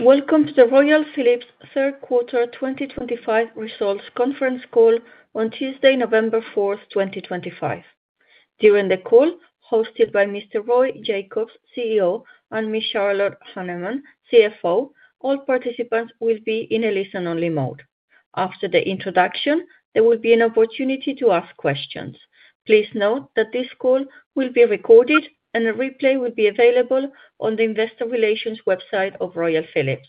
Welcome to the Royal Philips third quarter 2025 results conference call on Tuesday, November 4th, 2025. During the call, hosted by Mr. Roy Jakobs, CEO, and Ms. Charlotte Hanneman, CFO, all participants will be in a listen-only mode. After the introduction, there will be an opportunity to ask questions. Please note that this call will be recorded, and a replay will be available on the investor relations website of Royal Philips.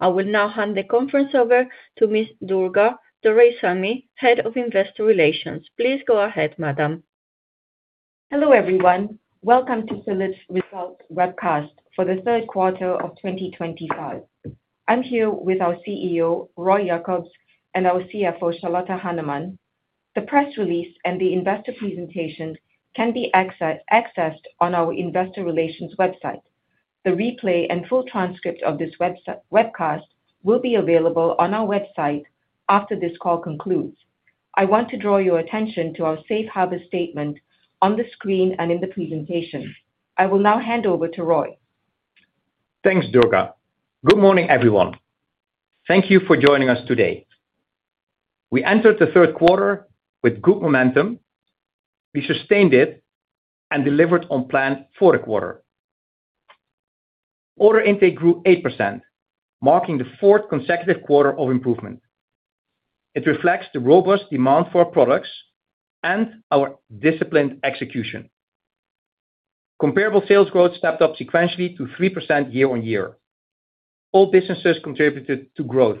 I will now hand the conference over to Ms. Durga Doraisamy, Head of Investor Relations. Please go ahead, Madam. Hello everyone. Welcome to Philips results webcast for the third quarter of 2025. I'm here with our CEO, Roy Jakobs, and our CFO, Charlotte Hanneman. The press release and the investor presentation can be accessed on our investor relations website. The replay and full transcript of this webcast will be available on our website after this call concludes. I want to draw your attention to our safe harbor statement on the screen and in the presentation. I will now hand over to Roy. Thanks, Durga. Good morning, everyone. Thank you for joining us today. We entered the third quarter with good momentum. We sustained it and delivered on plan for the quarter. Order intake grew 8%, marking the fourth consecutive quarter of improvement. It reflects the robust demand for our products and our disciplined execution. Comparable sales growth stepped up sequentially to 3% year-on-year. All businesses contributed to growth.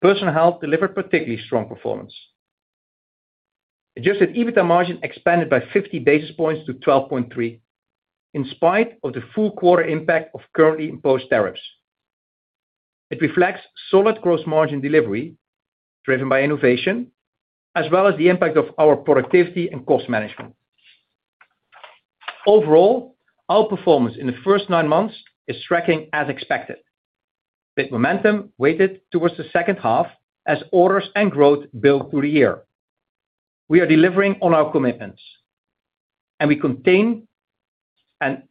Personal Health delivered particularly strong performance. Adjusted EBITDA margin expanded by 50 basis points to 12.3%. In spite of the full quarter impact of currently imposed tariffs. It reflects solid gross margin delivery driven by innovation, as well as the impact of our productivity and cost management. Overall, our performance in the first nine months is tracking as expected. The momentum weighted towards the second half as orders and growth build through the year. We are delivering on our commitments, and we contain and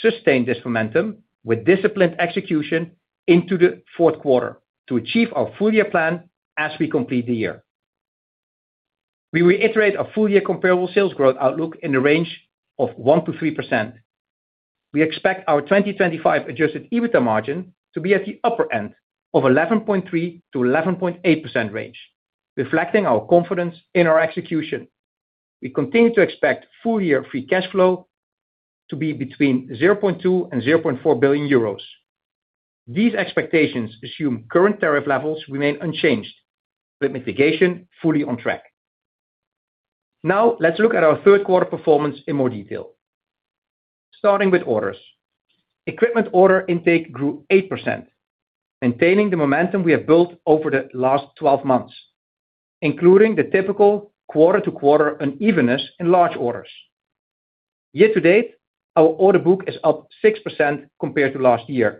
sustain this momentum with disciplined execution into the fourth quarter to achieve our full year plan as we complete the year. We reiterate our full year comparable sales growth outlook in the range of 1%-3%. We expect our 2025 adjusted EBITDA margin to be at the upper end of the 11.3%-11.8% range, reflecting our confidence in our execution. We continue to expect full year free cash flow to be between 0.2 billion and 0.4 billion euros. These expectations assume current tariff levels remain unchanged, with mitigation fully on track. Now, let's look at our third quarter performance in more detail. Starting with orders, equipment order intake grew 8%, maintaining the momentum we have built over the last 12 months, including the typical quarter-to-quarter unevenness in large orders. Year to date, our order book is up 6% compared to last year.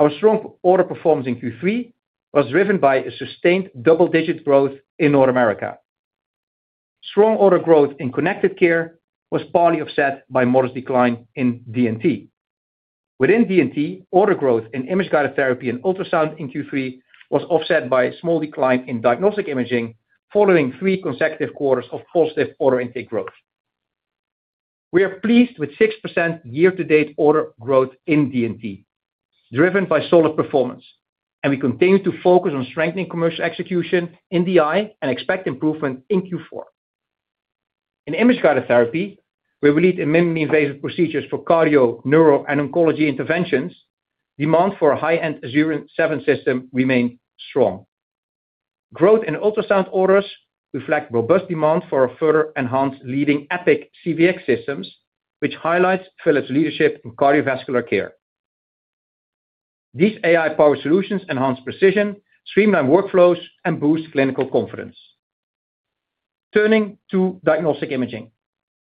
Our strong order performance in Q3 was driven by a sustained double-digit growth in North America. Strong order growth in Connected Care was partly offset by a modest decline in D&T. Within D&T, order growth in image-guided therapy and ultrasound in Q3 was offset by a small decline in diagnostic imaging following three consecutive quarters of positive order intake growth. We are pleased with 6% year-to-date order growth in D&T, driven by solid performance, and we continue to focus on strengthening commercial execution in DI and expect improvement in Q4. In image-guided therapy, where we lead in minimally invasive procedures for cardio, neuro, and oncology interventions, demand for our high-end Azurion 7 system remains strong. Growth in ultrasound orders reflects robust demand for further enhanced leading EPIQ CVx systems, which highlights Philips' leadership in cardiovascular care. These AI-powered solutions enhance precision, streamline workflows, and boost clinical confidence. Turning to diagnostic imaging,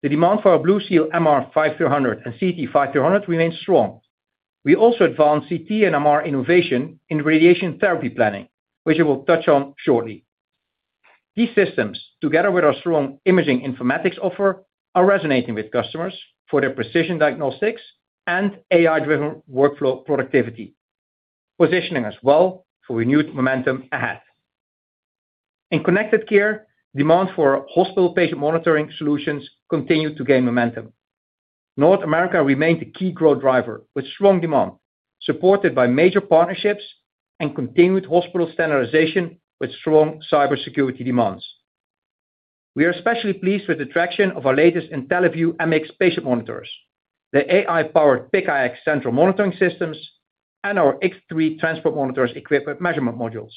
the demand for our BlueSeal MR 5300 and CT 5300 remains strong. We also advance CT and MR innovation in radiation therapy planning, which I will touch on shortly. These systems, together with our strong imaging informatics offer, are resonating with customers for their precision diagnostics and AI-driven workflow productivity, positioning us well for renewed momentum ahead. In Connected Care, demand for hospital patient monitoring solutions continues to gain momentum. North America remains the key growth driver with strong demand, supported by major partnerships and continued hospital standardization with strong cybersecurity demands. We are especially pleased with the traction of our latest IntelliVue MX patient monitors, the AI-powered PIC iX central monitoring systems, and our X3 transport monitors equipped with measurement modules.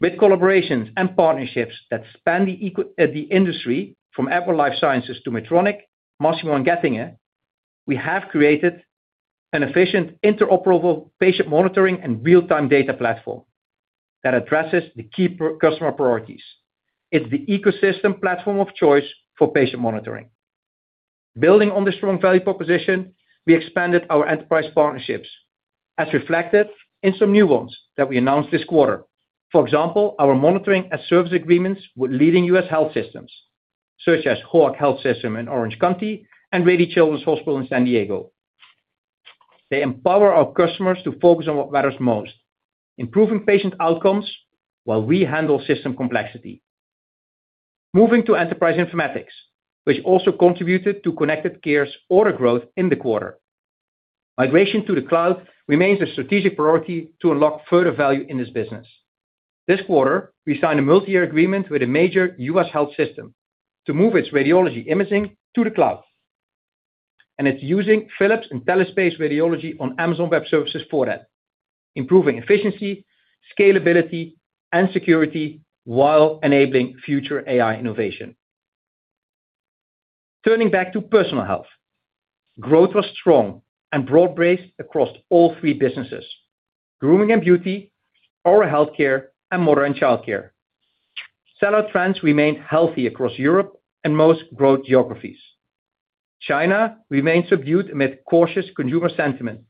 With collaborations and partnerships that span the industry from Apple Life Sciences to Medtronic, Masimo, and Getinge, we have created an efficient interoperable patient monitoring and real-time data platform that addresses the key customer priorities. It's the ecosystem platform of choice for patient monitoring. Building on the strong value proposition, we expanded our enterprise partnerships, as reflected in some new ones that we announced this quarter. For example, our monitoring and service agreements with leading U.S. health systems, such as Hoag Health in Orange County and Rady Children's Hospital in San Diego. They empower our customers to focus on what matters most: improving patient outcomes while we handle system complexity. Moving to enterprise informatics, which also contributed to Connected Care's order growth in the quarter. Migration to the cloud remains a strategic priority to unlock further value in this business. This quarter, we signed a multi-year agreement with a major U.S. health system to move its radiology imaging to the cloud. It is using Philips IntelliSpace Radiology on Amazon Web Services for that, improving efficiency, scalability, and security while enabling future AI innovation. Turning back to Personal Health. Growth was strong and broad-based across all three businesses: grooming and beauty, oral healthcare, and modern childcare. Seller trends remained healthy across Europe and most growth geographies. China remained subdued amid cautious consumer sentiment,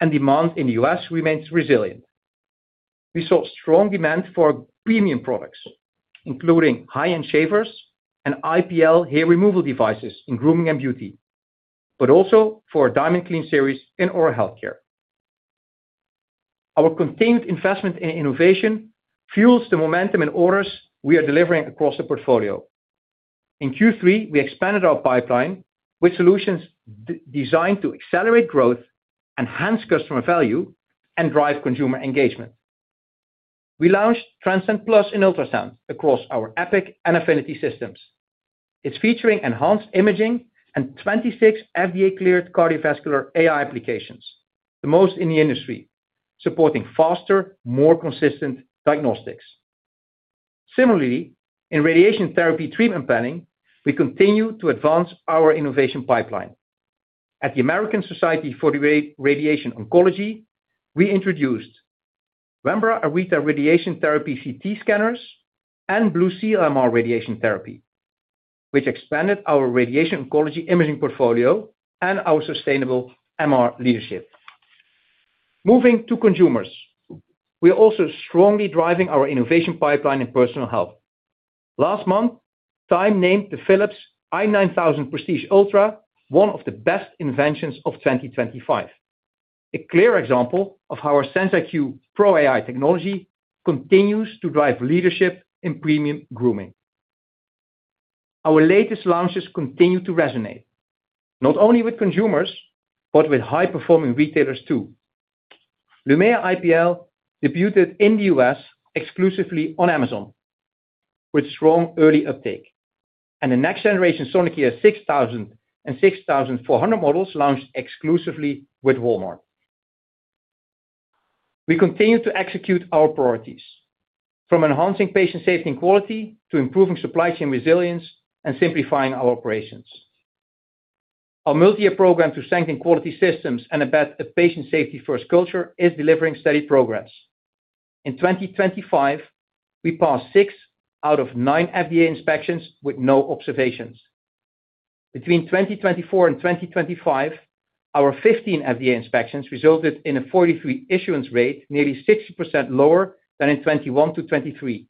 and demand in the U.S. remained resilient. We saw strong demand for premium products, including high-end shavers and IPL hair removal devices in grooming and beauty, but also for a DiamondClean series in oral healthcare. Our continued investment in innovation fuels the momentum in orders we are delivering across the portfolio. In Q3, we expanded our pipeline with solutions designed to accelerate growth, enhance customer value, and drive consumer engagement. We launched Transcend Plus in ultrasound across our EPIQ and Affiniti systems. It's featuring enhanced imaging and 26 FDA-cleared cardiovascular AI applications, the most in the industry, supporting faster, more consistent diagnostics. Similarly, in radiation therapy treatment planning, we continue to advance our innovation pipeline. At the American Society for Radiation Oncology, we introduced Rembra Areta radiation therapy CT scanners and BlueSeal MR radiation therapy, which expanded our radiation oncology imaging portfolio and our sustainable MR leadership. Moving to consumers, we are also strongly driving our innovation pipeline in Personal Health. Last month, Time named the Philips i9000 Prestige Ultra one of the best inventions of 2025. A clear example of how our SenseIQ Pro AI technology continues to drive leadership in premium grooming. Our latest launches continue to resonate, not only with consumers, but with high-performing retailers too. Lumea IPL debuted in the U.S. exclusively on Amazon. With strong early uptake, and the next generation Sonicare 6000 and 6400 models launched exclusively with Walmart. We continue to execute our priorities, from enhancing patient safety and quality to improving supply chain resilience and simplifying our operations. Our multi-year program to strengthen quality systems and embed a patient safety-first culture is delivering steady progress. In 2025, we passed six out of nine FDA inspections with no observations. Between 2024 and 2025, our 15 FDA inspections resulted in a 43% issuance rate, nearly 60% lower than in 2021 to 2023,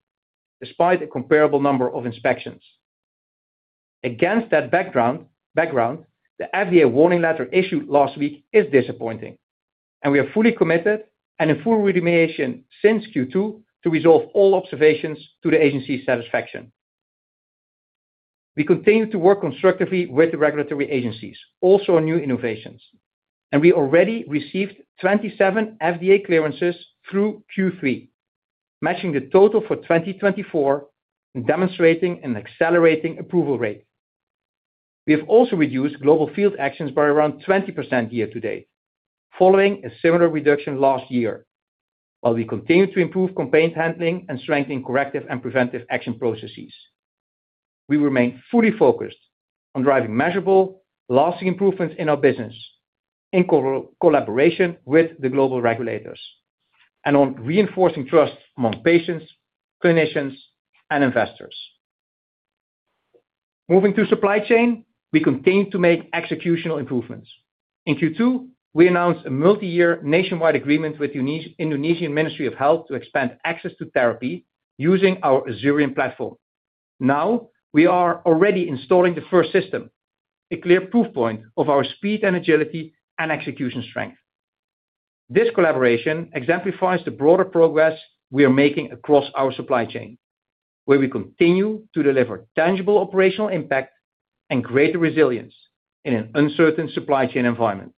despite a comparable number of inspections. Against that background, FDA warning letter issued last week is disappointing, and we are fully committed and in full remediation since Q2 to resolve all observations to the agency's satisfaction. We continue to work constructively with the regulatory agencies, also on new innovations, and we already received 27 FDA clearances through Q3, matching the total for 2024 and demonstrating an accelerating approval rate. We have also reduced global field actions by around 20% year to date, following a similar reduction last year, while we continue to improve complaint handling and strengthen corrective and preventive action processes. We remain fully focused on driving measurable, lasting improvements in our business, in collaboration with the global regulators, and on reinforcing trust among patients, clinicians, and investors. Moving to supply chain, we continue to make executional improvements. In Q2, we announced a multi-year nationwide agreement with the Indonesian Ministry of Health to expand access to therapy using our Azurion platform. Now, we are already installing the first system, a clear proof point of our speed and agility and execution strength. This collaboration exemplifies the broader progress we are making across our supply chain, where we continue to deliver tangible operational impact and greater resilience in an uncertain supply chain environment.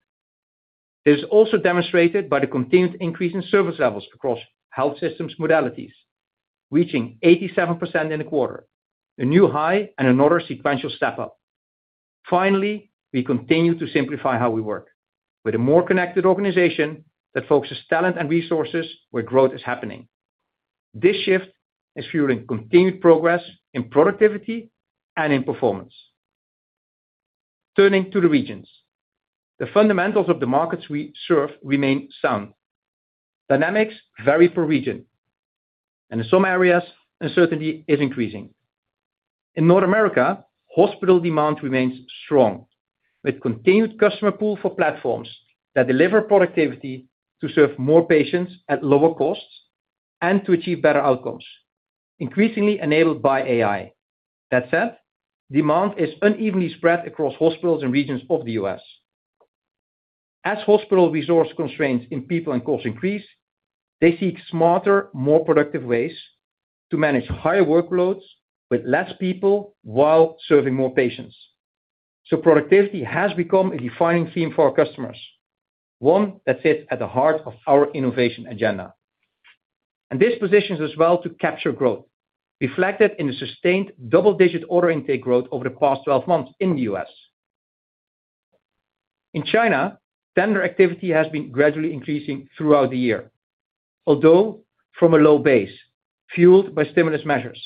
This is also demonstrated by the continued increase in service levels across health systems modalities, reaching 87% in the quarter, a new high and another sequential step up. Finally, we continue to simplify how we work, with a more connected organization that focuses talent and resources where growth is happening. This shift is fueling continued progress in productivity and in performance. Turning to the regions, the fundamentals of the markets we serve remain sound. Dynamics vary per region, and in some areas, uncertainty is increasing. In North America, hospital demand remains strong, with a continued customer pull for platforms that deliver productivity to serve more patients at lower costs and to achieve better outcomes, increasingly enabled by AI. That said, demand is unevenly spread across hospitals and regions of the U.S. As hospital resource constraints in people and costs increase, they seek smarter, more productive ways to manage higher workloads with less people while serving more patients. Productivity has become a defining theme for our customers, one that sits at the heart of our innovation agenda. This positions us well to capture growth, reflected in the sustained double-digit order intake growth over the past 12 months in the U.S. In China, tender activity has been gradually increasing throughout the year, although from a low base, fueled by stimulus measures.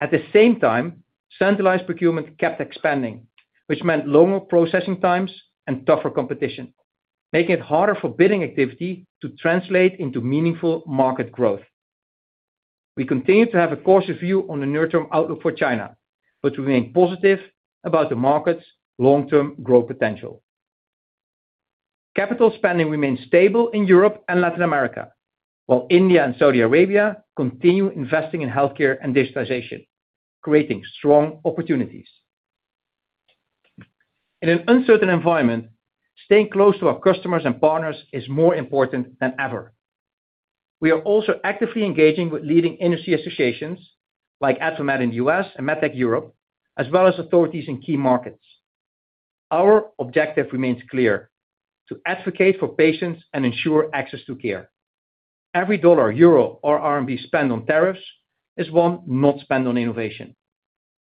At the same time, centralized procurement kept expanding, which meant longer processing times and tougher competition, making it harder for bidding activity to translate into meaningful market growth. We continue to have a cautious view on the near-term outlook for China, but remain positive about the market's long-term growth potential. Capital spending remains stable in Europe and Latin America, while India and Saudi Arabia continue investing in healthcare and digitization, creating strong opportunities. In an uncertain environment, staying close to our customers and partners is more important than ever. We are also actively engaging with leading industry associations like AdvaMed in the U.S. and MedTech Europe, as well as authorities in key markets. Our objective remains clear: to advocate for patients and ensure access to care. Every dollar, euro, or RMB spent on tariffs is one not spent on innovation.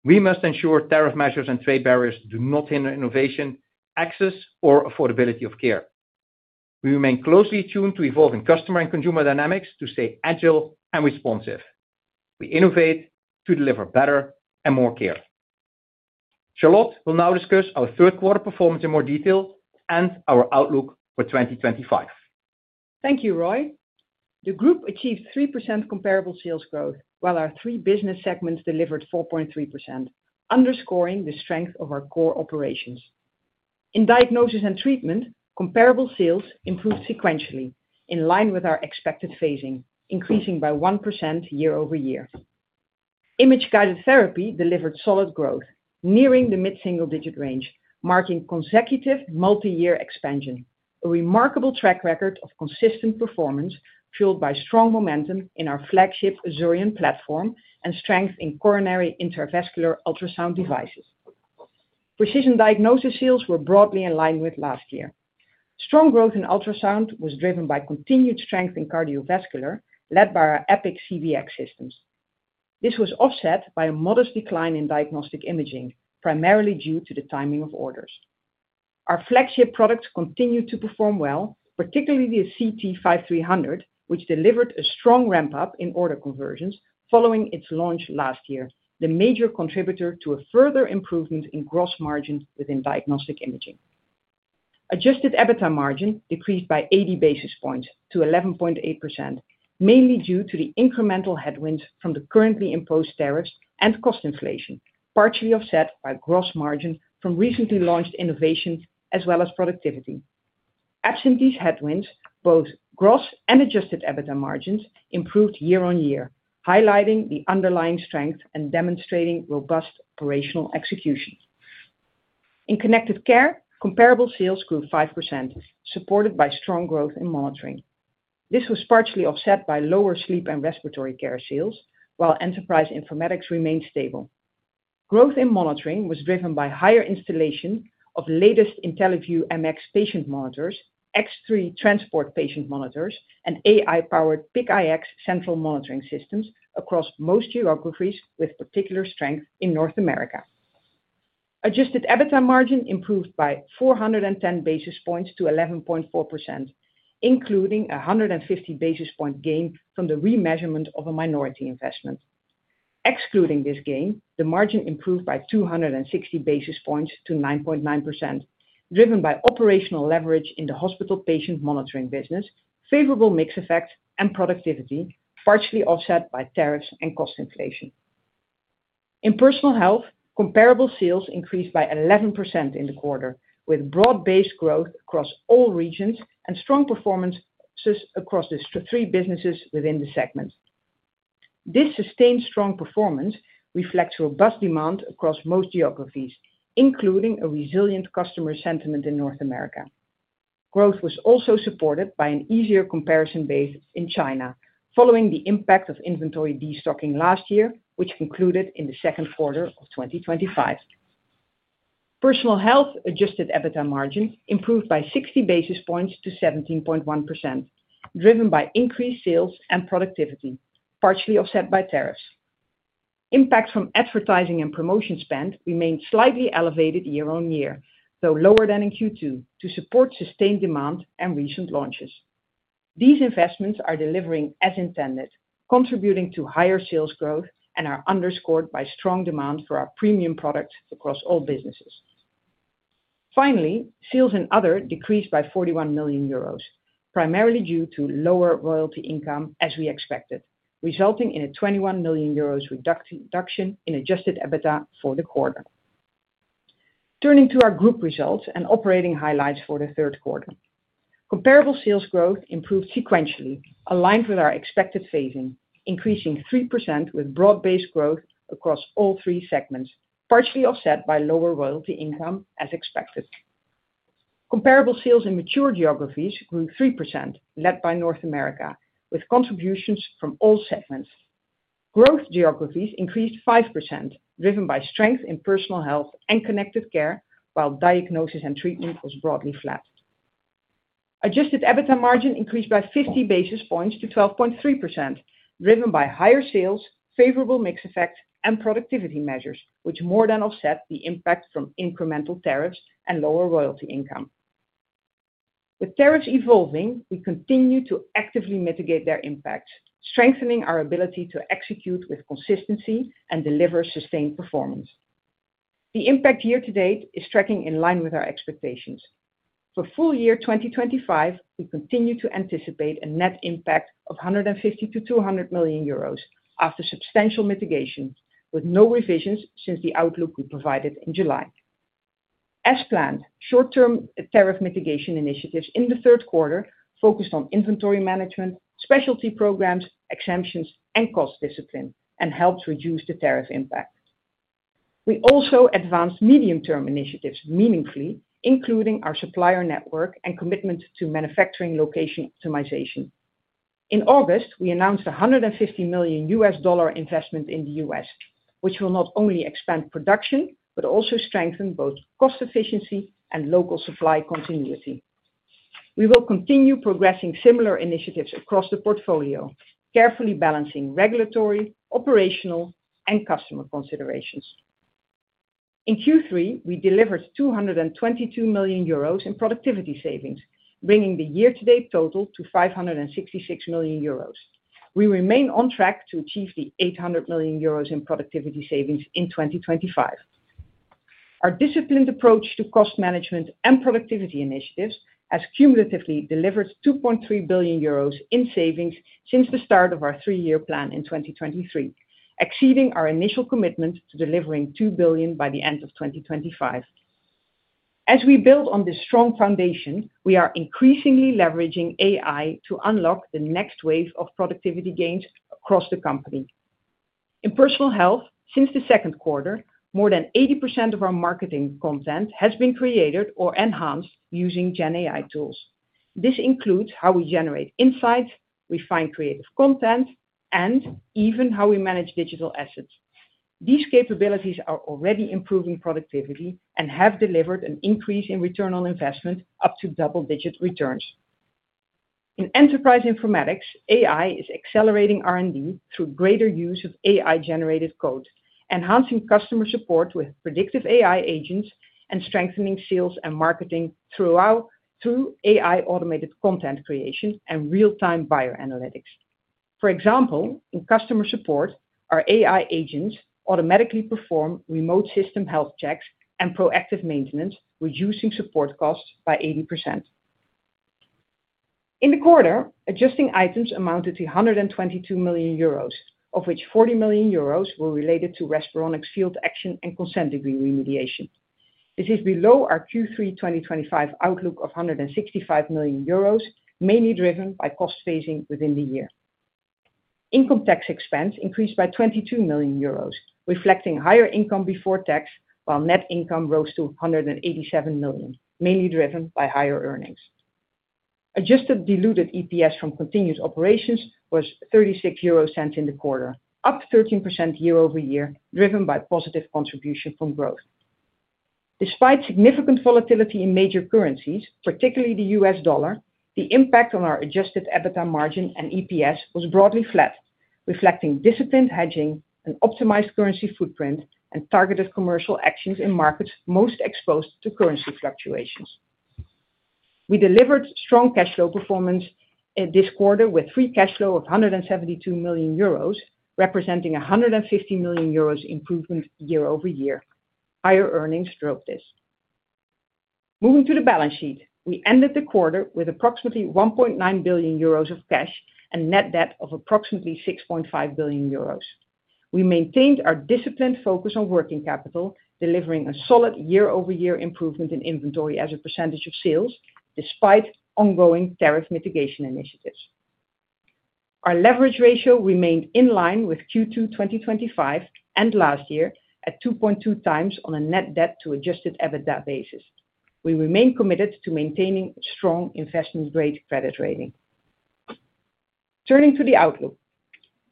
We must ensure tariff measures and trade barriers do not hinder innovation, access, or affordability of care. We remain closely tuned to evolving customer and consumer dynamics to stay agile and responsive. We innovate to deliver better and more care. Charlotte will now discuss our third-quarter performance in more detail and our outlook for 2025. Thank you, Roy. The group achieved 3% comparable sales growth, while our three business segments delivered 4.3%, underscoring the strength of our core operations. In Diagnosis & Treatment, comparable sales improved sequentially in line with our expected phasing, increasing by 1% year-over-year. Image-guided therapy delivered solid growth, nearing the mid-single-digit range, marking consecutive multi-year expansion, a remarkable track record of consistent performance fueled by strong momentum in our flagship Azurion platform and strength in coronary intravascular ultrasound devices. Precision diagnosis sales were broadly in line with last year. Strong growth in ultrasound was driven by continued strength in cardiovascular, led by our EPIQ CVx systems. This was offset by a modest decline in diagnostic imaging, primarily due to the timing of orders. Our flagship products continued to perform well, particularly the CT 5300, which delivered a strong ramp-up in order conversions following its launch last year, the major contributor to a further improvement in gross margin within diagnostic imaging. Adjusted EBITDA margin decreased by 80 basis points to 11.8%, mainly due to the incremental headwinds from the currently imposed tariffs and cost inflation, partially offset by gross margin from recently launched innovations as well as productivity. Absentee's headwinds, both gross and adjusted EBITDA margins, improved year on year, highlighting the underlying strength and demonstrating robust operational execution. In Connected Care, comparable sales grew 5%, supported by strong growth in monitoring. This was partially offset by lower sleep and respiratory care sales, while enterprise informatics remained stable. Growth in monitoring was driven by higher installation of the latest IntelliVue MX patient monitors, X3 transport patient monitors, and AI-powered PIC iX central monitoring systems across most geographies, with particular strength in North America. Adjusted EBITDA margin improved by 410 basis points to 11.4%, including a 150 basis point gain from the remeasurement of a minority investment. Excluding this gain, the margin improved by 260 basis points to 9.9%, driven by operational leverage in the hospital patient monitoring business, favorable mix effect, and productivity, partially offset by tariffs and cost inflation. In Personal Health, comparable sales increased by 11% in the quarter, with broad-based growth across all regions and strong performances across the three businesses within the segment. This sustained strong performance reflects robust demand across most geographies, including a resilient customer sentiment in North America. Growth was also supported by an easier comparison base in China, following the impact of inventory destocking last year, which concluded in the second quarter of 2025. Personal Health adjusted EBITDA margin improved by 60 basis points to 17.1%, driven by increased sales and productivity, partially offset by tariffs. Impact from advertising and promotion spend remained slightly elevated year on year, though lower than in Q2, to support sustained demand and recent launches. These investments are delivering as intended, contributing to higher sales growth and are underscored by strong demand for our premium products across all businesses. Finally, sales in other decreased by 41 million euros, primarily due to lower royalty income as we expected, resulting in a 21 million euros reduction in adjusted EBITDA for the quarter. Turning to our group results and operating highlights for the third quarter, comparable sales growth improved sequentially, aligned with our expected phasing, increasing 3% with broad-based growth across all three segments, partially offset by lower royalty income as expected. Comparable sales in mature geographies grew 3%, led by North America, with contributions from all segments. Growth geographies increased 5%, driven by strength in Personal Health and Connected Care, while Diagnosis & Treatment was broadly flat. Adjusted EBITDA margin increased by 50 basis points to 12.3%, driven by higher sales, favorable mix effect, and productivity measures, which more than offset the impact from incremental tariffs and lower royalty income. With tariffs evolving, we continue to actively mitigate their impacts, strengthening our ability to execute with consistency and deliver sustained performance. The impact year to date is tracking in line with our expectations. For full year 2025, we continue to anticipate a net impact of 150 million-200 million euros after substantial mitigation, with no revisions since the outlook we provided in July. As planned, short-term tariff mitigation initiatives in the third quarter focused on inventory management, specialty programs, exemptions, and cost discipline, and helped reduce the tariff impact. We also advanced medium-term initiatives meaningfully, including our supplier network and commitment to manufacturing location optimization. In August, we announced a $150 million investment in the U.S., which will not only expand production but also strengthen both cost efficiency and local supply continuity. We will continue progressing similar initiatives across the portfolio, carefully balancing regulatory, operational, and customer considerations. In Q3, we delivered 222 million euros in productivity savings, bringing the year-to-date total to 566 million euros. We remain on track to achieve the 800 million euros in productivity savings in 2025. Our disciplined approach to cost management and productivity initiatives has cumulatively delivered 2.3 billion euros in savings since the start of our three-year plan in 2023, exceeding our initial commitment to delivering 2 billion by the end of 2025. As we build on this strong foundation, we are increasingly leveraging AI to unlock the next wave of productivity gains across the company. In Personal Health, since the second quarter, more than 80% of our marketing content has been created or enhanced using GenAI tools. This includes how we generate insights, refine creative content, and even how we manage digital assets. These capabilities are already improving productivity and have delivered an increase in return on investment, up to double-digit returns. In enterprise informatics, AI is accelerating R&D through greater use of AI-generated code, enhancing customer support with predictive AI agents, and strengthening sales and marketing through AI-automated content creation and real-time buyer analytics. For example, in customer support, our AI agents automatically perform remote system health checks and proactive maintenance, reducing support costs by 80%. In the quarter, adjusting items amounted to 122 million euros, of which 40 million euros were related to Respironics field action and consent agreement remediation. This is below our Q3 2025 outlook of 165 million euros, mainly driven by cost phasing within the year. Income tax expense increased by 22 million euros, reflecting higher income before tax, while net income rose to 187 million, mainly driven by higher earnings. Adjusted diluted EPS from continued operations was 0.36 in the quarter, up 13% year-over-year, driven by positive contribution from growth. Despite significant volatility in major currencies, particularly the U.S. dollar, the impact on our adjusted EBITDA margin and EPS was broadly flat, reflecting disciplined hedging, an optimized currency footprint, and targeted commercial actions in markets most exposed to currency fluctuations. We delivered strong cash flow performance this quarter with a free cash flow of 172 million euros, representing a 150 million euros improvement year-over-year. Higher earnings drove this. Moving to the balance sheet, we ended the quarter with approximately 1.9 billion euros of cash and net debt of approximately 6.5 billion euros. We maintained our disciplined focus on working capital, delivering a solid year-over-year improvement in inventory as a percentage of sales, despite ongoing tariff mitigation initiatives. Our leverage ratio remained in line with Q2 2025 and last year at 2.2x on a net debt to adjusted EBITDA basis. We remain committed to maintaining strong investment-grade credit rating. Turning to the outlook,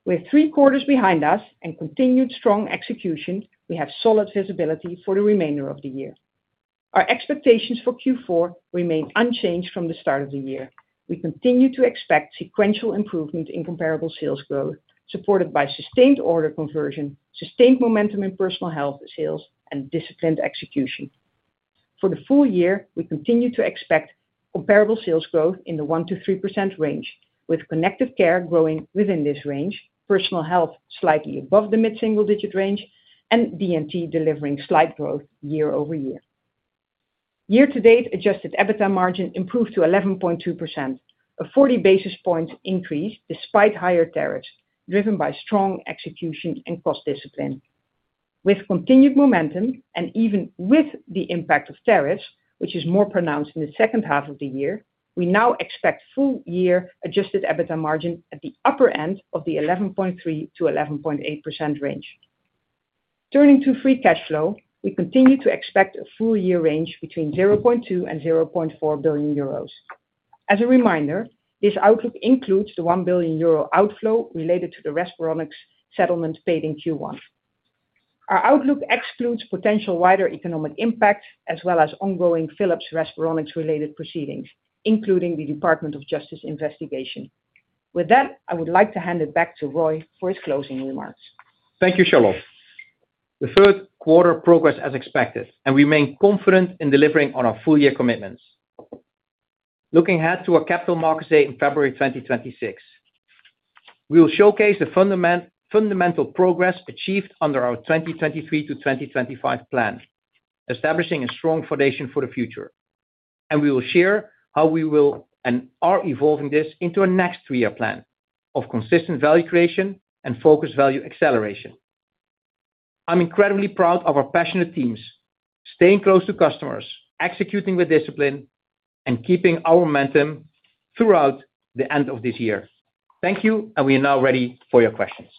with three quarters behind us and continued strong execution, we have solid visibility for the remainder of the year. Our expectations for Q4 remain unchanged from the start of the year. We continue to expect sequential improvement in comparable sales growth, supported by sustained order conversion, sustained momentum in Personal Health sales, and disciplined execution. For the full year, we continue to expect comparable sales growth in the 1%-3% range, with Connected Care growing within this range, Personal Health slightly above the mid-single-digit range, and D&T delivering slight growth year-over-year. Year-to-date adjusted EBITDA margin improved to 11.2%, a 40 basis points increase despite higher tariffs, driven by strong execution and cost discipline. With continued momentum and even with the impact of tariffs, which is more pronounced in the second half of the year, we now expect full-year adjusted EBITDA margin at the upper end of the 11.3%-11.8% range. Turning to free cash flow, we continue to expect a full-year range between 0.2 billion and 0.4 billion euros. As a reminder, this outlook includes the 1 billion euro outflow related to the Respironics settlement paid in Q1. Our outlook excludes potential wider economic impact as well as ongoing Philips Respironics-related proceedings, including the Department of Justice investigation. With that, I would like to hand it back to Roy for his closing remarks. Thank you, Charlotte. The third quarter progressed as expected, and we remain confident in delivering on our full-year commitments. Looking ahead to our Capital Markets Day in February 2026. We will showcase the fundamental progress achieved under our 2023 to 2025 plan, establishing a strong foundation for the future. We will share how we will and are evolving this into a next three-year plan of consistent value creation and focused value acceleration. I'm incredibly proud of our passionate teams, staying close to customers, executing with discipline, and keeping our momentum throughout the end of this year. Thank you, and we are now ready for your questions.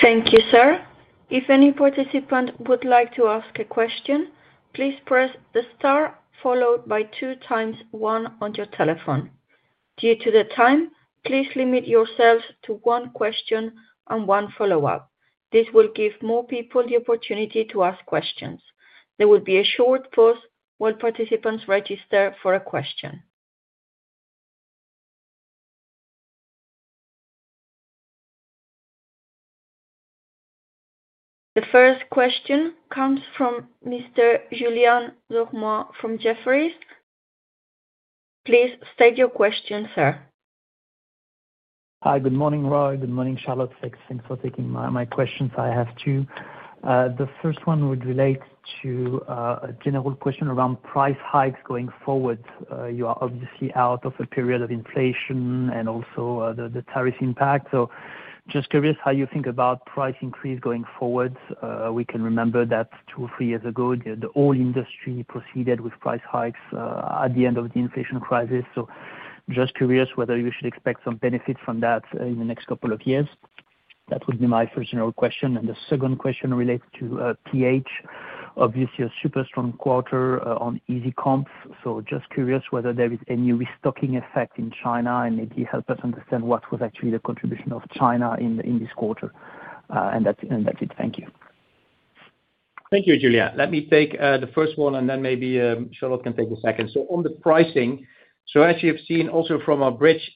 Thank you, sir. If any participant would like to ask a question, please press the star followed by two times one on your telephone. Due to the time, please limit yourselves to one question and one follow-up. This will give more people the opportunity to ask questions. There will be a short pause while participants register for a question. The first question comes from Mr. Julien Dormois from Jefferies. Please state your question, sir. Hi, good morning, Roy. Good morning, Charlotte. Thanks for taking my questions. I have two. The first one would relate to a general question around price hikes going forward. You are obviously out of a period of inflation and also the tariff impact. Just curious how you think about price increase going forward. We can remember that two or three years ago, the whole industry proceeded with price hikes at the end of the inflation crisis. Just curious whether you should expect some benefit from that in the next couple of years. That would be my first general question. The second question relates to PH. Obviously, a super strong quarter on easy comp. Just curious whether there is any restocking effect in China and maybe help us understand what was actually the contribution of China in this quarter. That is it. Thank you. Thank you, Julien. Let me take the first one, and then maybe Charlotte can take the second. On the pricing, as you have seen also from our bridge,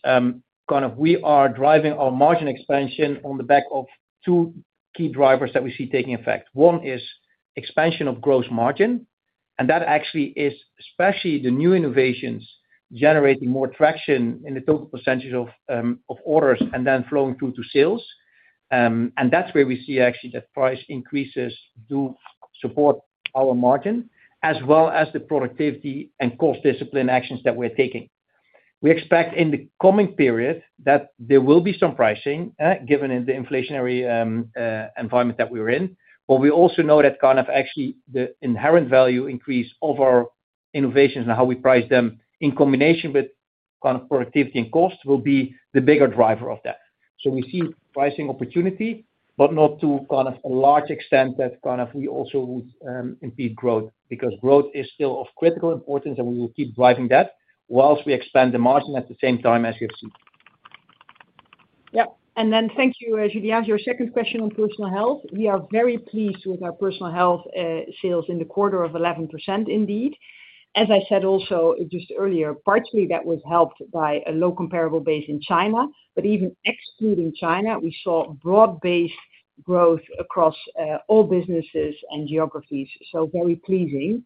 we are driving our margin expansion on the back of two key drivers that we see taking effect. One is expansion of gross margin, and that actually is especially the new innovations generating more traction in the total percentage of orders and then flowing through to sales. That is where we see that price increases do support our margin, as well as the productivity and cost discipline actions that we are taking. We expect in the coming period that there will be some pricing, given the inflationary environment that we are in. We also know that the inherent value increase of our innovations and how we price them in combination with productivity and cost will be the bigger driver of that. We see pricing opportunity, but not to a large extent that we also would impede growth because growth is still of critical importance, and we will keep driving that whilst we expand the margin at the same time as you have seen. Yeah. Thank you, Julien, for your second question on Personal Health. We are very pleased with our Personal Health sales in the quarter of 11% indeed. As I said also just earlier, partially that was helped by a low comparable base in China, but even excluding China, we saw broad-based growth across all businesses and geographies. Very pleasing.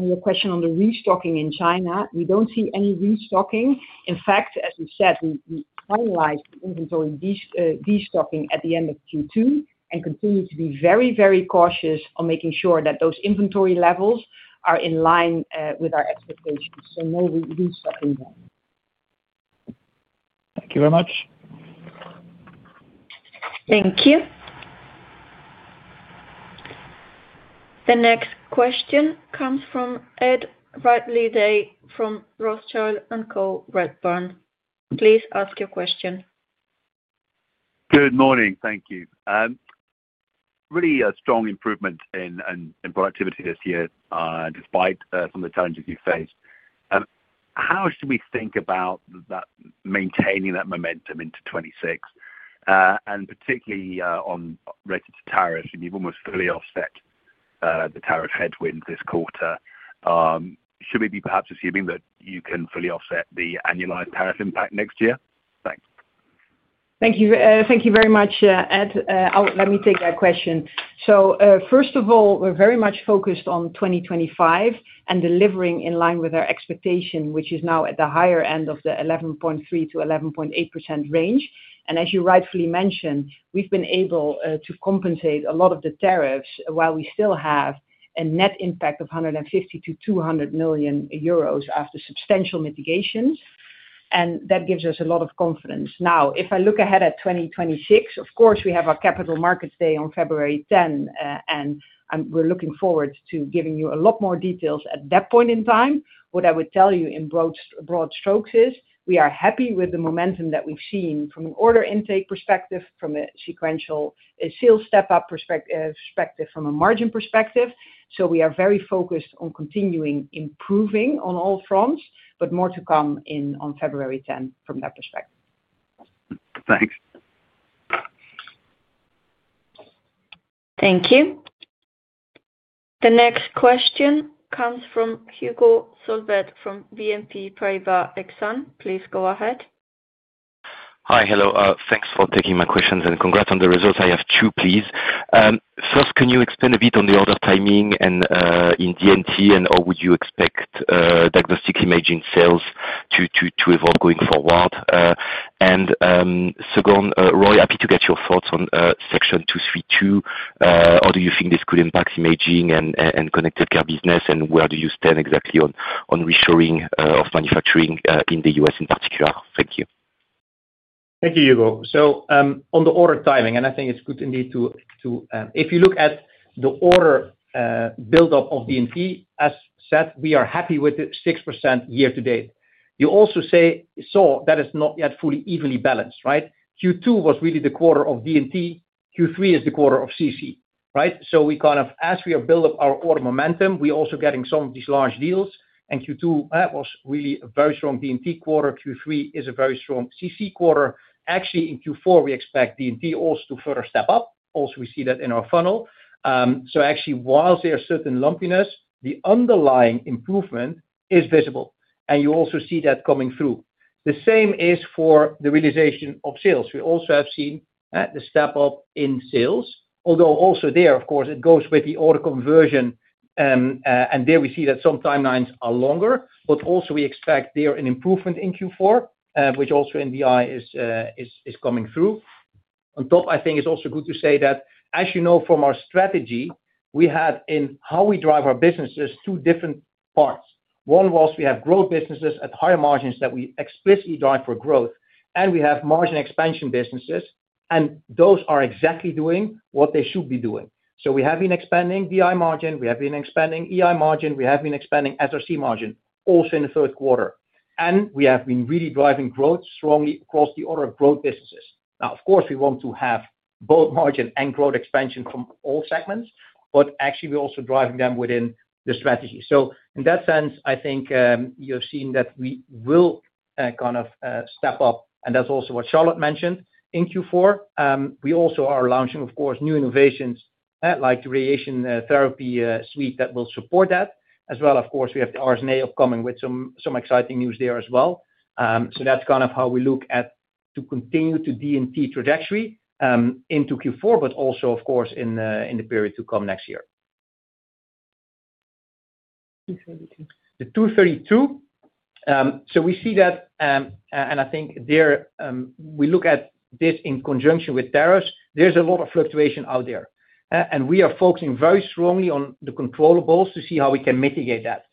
Your question on the restocking in China, we do not see any restocking. In fact, as we said, we finalized the inventory destocking at the end of Q2 and continue to be very, very cautious on making sure that those inventory levels are in line with our expectations. No restocking there. Thank you very much. Thank you. The next question comes from Ed Ridley-Day from Rothschild & Co Redburn. Please ask your question. Good morning. Thank you. Really a strong improvement in productivity this year, despite some of the challenges you faced. How should we think about maintaining that momentum into 2026? Particularly related to tariffs, and you have almost fully offset the tariff headwinds this quarter. Should we be perhaps assuming that you can fully offset the annualized tariff impact next year? Thanks. Thank you. Thank you very much, Ed. Let me take that question. First of all, we're very much focused on 2025 and delivering in line with our expectation, which is now at the higher end of the 11.3%-11.8% range. As you rightfully mentioned, we've been able to compensate a lot of the tariffs while we still have a net impact of 150 million-200 million euros after substantial mitigations. That gives us a lot of confidence. Now, if I look ahead at 2026, of course, we have our Capital Markets Day on February 10, and we're looking forward to giving you a lot more details at that point in time. What I would tell you in broad strokes is we are happy with the momentum that we've seen from an order intake perspective, from a sequential sales step-up perspective, from a margin perspective. We are very focused on continuing improving on all fronts, but more to come on February 10 from that perspective. Thanks. Thank you. The next question comes from Hugo Solvet from BNP Paribas Exane. Please go ahead. Hi, hello. Thanks for taking my questions, and congrats on the results. I have two, please. First, can you explain a bit on the order timing in D&T, and how would you expect diagnostic imaging sales to evolve going forward? Second, Roy, happy to get your thoughts on Section 232. How do you think this could impact imaging and Connected Care business, and where do you stand exactly on reshoring of manufacturing in the U.S. in particular? Thank you. Thank you, Hugo. On the order timing, I think it's good indeed to—if you look at the order buildup of D&T, as said, we are happy with the 6% year to date. You also saw that it's not yet fully evenly balanced, right? Q2 was really the quarter of D&T. Q3 is the quarter of CC, right? As we build up our order momentum, we're also getting some of these large deals. Q2 was really a very strong D&T quarter. Q3 is a very strong CC quarter. Actually, in Q4, we expect D&T also to further step up. We see that in our funnel. Actually, whilst there's certain lumpiness, the underlying improvement is visible. You also see that coming through. The same is for the realization of sales. We also have seen the step-up in sales, although also there, of course, it goes with the order conversion. There we see that some timelines are longer, but also we expect there an improvement in Q4, which also in the eye is coming through. On top, I think it's also good to say that, as you know from our strategy, we had in how we drive our businesses two different parts. One was we have growth businesses at higher margins that we explicitly drive for growth, and we have margin expansion businesses, and those are exactly doing what they should be doing. We have been expanding DI margin. We have been expanding EI margin. We have been expanding SRC margin, also in the third quarter. We have been really driving growth strongly across the order of growth businesses. Now, of course, we want to have both margin and growth expansion from all segments, but actually, we're also driving them within the strategy. In that sense, I think you've seen that we will kind of step up, and that's also what Charlotte mentioned. In Q4, we also are launching, of course, new innovations like the radiation therapy suite that will support that, as well, of course, we have the RSNA upcoming with some exciting news there as well. That's kind of how we look at to continue to D&T trajectory into Q4, but also, of course, in the period to come next year. The 232. We see that. I think there we look at this in conjunction with tariffs. There's a lot of fluctuation out there. We are focusing very strongly on the controllable to see how we can mitigate that.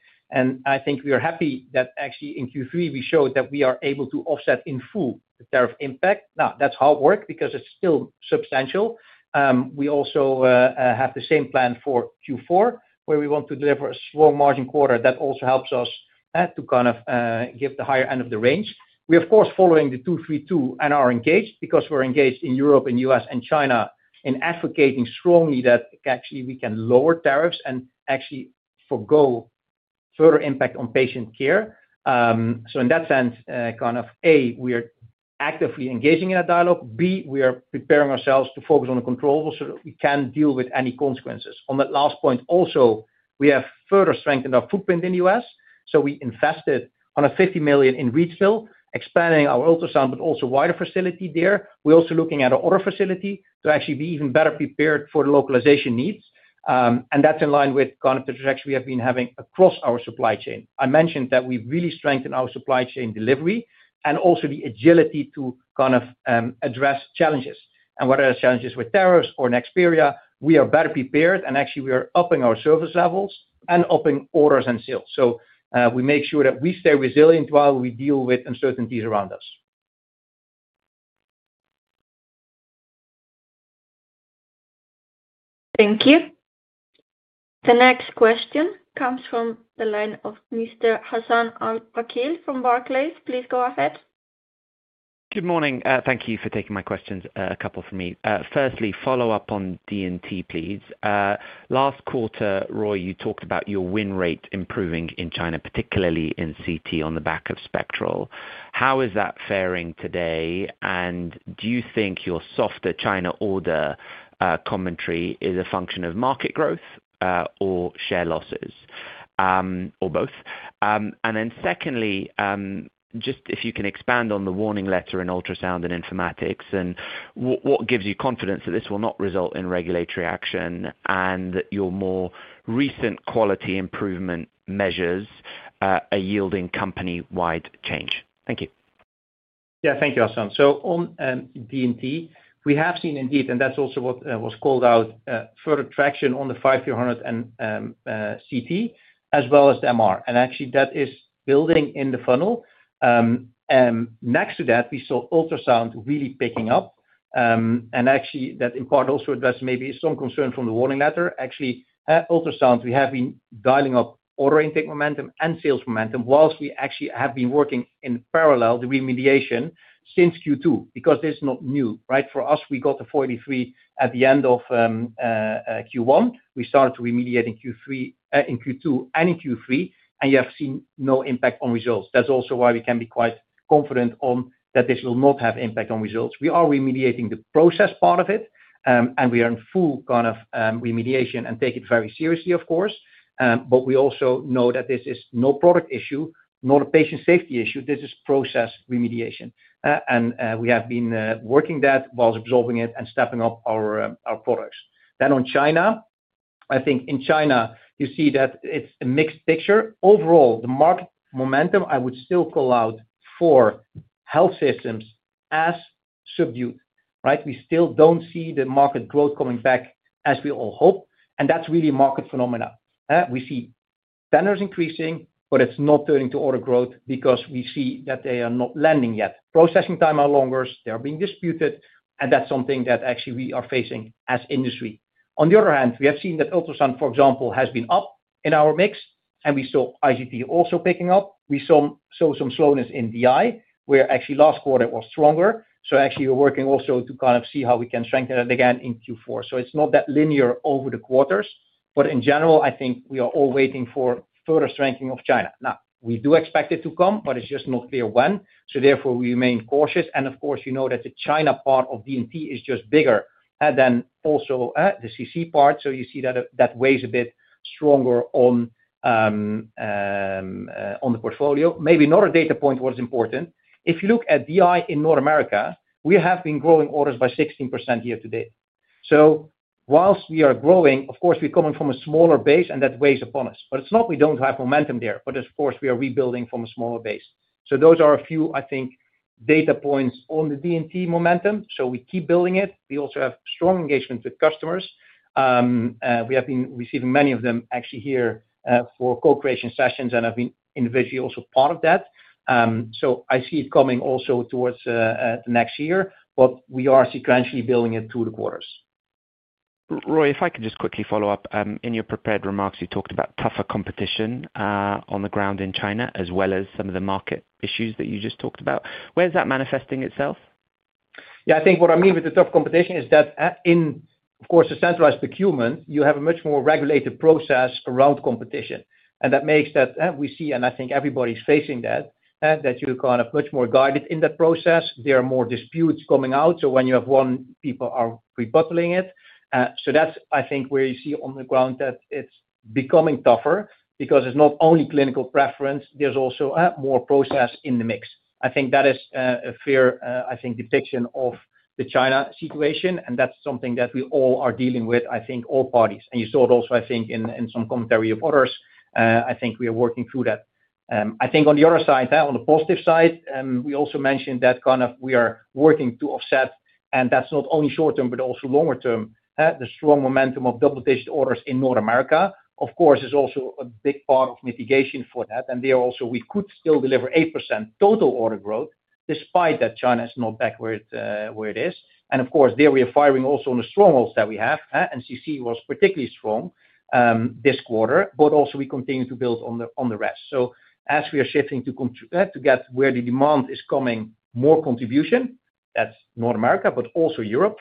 I think we are happy that actually in Q3, we showed that we are able to offset in full the tariff impact. Now, that's hard work because it's still substantial. We also have the same plan for Q4, where we want to deliver a strong margin quarter that also helps us to kind of give the higher end of the range. We, of course, following the 232 and are engaged because we're engaged in Europe, in the U.S., and China in advocating strongly that actually we can lower tariffs and actually forego further impact on patient care. In that sense, kind of A, we're actively engaging in a dialogue. B, we are preparing ourselves to focus on the controllable so that we can deal with any consequences. On that last point also, we have further strengthened our footprint in the U.S. We invested $150 million in Reedsville, expanding our ultrasound, but also wider facility there. We're also looking at an order facility to actually be even better prepared for the localization needs. That's in line with kind of the trajectory we have been having across our supply chain. I mentioned that we've really strengthened our supply chain delivery and also the agility to kind of address challenges. Whether it's challenges with tariffs or Nexperia, we are better prepared. Actually, we are upping our service levels and upping orders and sales. We make sure that we stay resilient while we deal with uncertainties around us. Thank you. The next question comes from the line of Mr. Hassan Al-Wakeel from Barclays. Please go ahead. Good morning. Thank you for taking my questions. A couple for me. Firstly, follow up on D&T, please. Last quarter, Roy, you talked about your win rate improving in China, particularly in CT on the back of Spectral. How is that faring today? Do you think your softer China order commentary is a function of market growth or share losses, or both? Secondly, if you can expand on the warning letter in ultrasound and informatics and what gives you confidence that this will not result in regulatory action and that your more recent quality improvement measures are yielding company-wide change. Thank you. Yeah, thank you, Hassan. On D&T, we have seen indeed, and that is also what was called out, further traction on the 5300 and CT, as well as the MR. Actually, that is building in the funnel. Next to that, we saw ultrasound really picking up, and that in part also addressed maybe some concern from the warning letter. Ultrasound, we have been dialing up order intake momentum and sales momentum whilst we have been working in parallel on the remediation since Q2 because this is not new, right? For us, we got the 43 at the end of Q1. We started to remediate in Q2 and in Q3, and you have seen no impact on results. That is also why we can be quite confident that this will not have impact on results. We are remediating the process part of it, and we are in full kind of remediation and take it very seriously, of course. We also know that this is no product issue, not a patient safety issue. This is process remediation, and we have been working that whilst absorbing it and stepping up our products. On China, I think in China, you see that it is a mixed picture. Overall, the market momentum, I would still call out for health systems as subdued, right? We still do not see the market growth coming back as we all hope, and that is really market phenomena. We see vendors increasing, but it is not turning to order growth because we see that they are not landing yet. Processing times are longer. They are being disputed, and that is something that we are facing as industry. On the other hand, we have seen that ultrasound, for example, has been up in our mix, and we saw iCT also picking up. We saw some slowness in DI, where last quarter it was stronger. We are working also to see how we can strengthen it again in Q4. It is not that linear over the quarters. In general, I think we are all waiting for further strengthening of China. We do expect it to come, but it is just not clear when. Therefore, we remain cautious. The China part of D&T is just bigger than also the CC part, so you see that that weighs a bit stronger on the portfolio. Maybe another data point was important. If you look at DI in North America, we have been growing orders by 16% year to date. Whilst we are growing, of course, we're coming from a smaller base, and that weighs upon us. It's not we don't have momentum there, but of course, we are rebuilding from a smaller base. Those are a few, I think, data points on the D&T momentum. We keep building it. We also have strong engagement with customers. We have been receiving many of them actually here for co-creation sessions, and I've been individually also part of that. I see it coming also towards the next year, but we are sequentially building it through the quarters. Roy, if I could just quickly follow up. In your prepared remarks, you talked about tougher competition on the ground in China, as well as some of the market issues that you just talked about. Where is that manifesting itself? Yeah, I think what I mean with the tough competition is that in, of course, the centralized procurement, you have a much more regulated process around competition. That makes that we see, and I think everybody's facing that, that you're kind of much more guided in that process. There are more disputes coming out. When you have one, people are rebuttling it. That's, I think, where you see on the ground that it's becoming tougher because it's not only clinical preference. There's also more process in the mix. I think that is a fair, I think, depiction of the China situation. That's something that we all are dealing with, I think, all parties. You saw it also, I think, in some commentary of others. I think we are working through that. I think on the other side, on the positive side, we also mentioned that kind of we are working to offset, and that's not only short-term, but also longer-term. The strong momentum of double-digit orders in North America, of course, is also a big part of mitigation for that. There also, we could still deliver 8% total order growth despite that China is not back where it is. There we are firing also on the strongholds that we have. CC was particularly strong this quarter, but also we continue to build on the rest. As we are shifting to get where the demand is coming, more contribution, that's North America, but also Europe.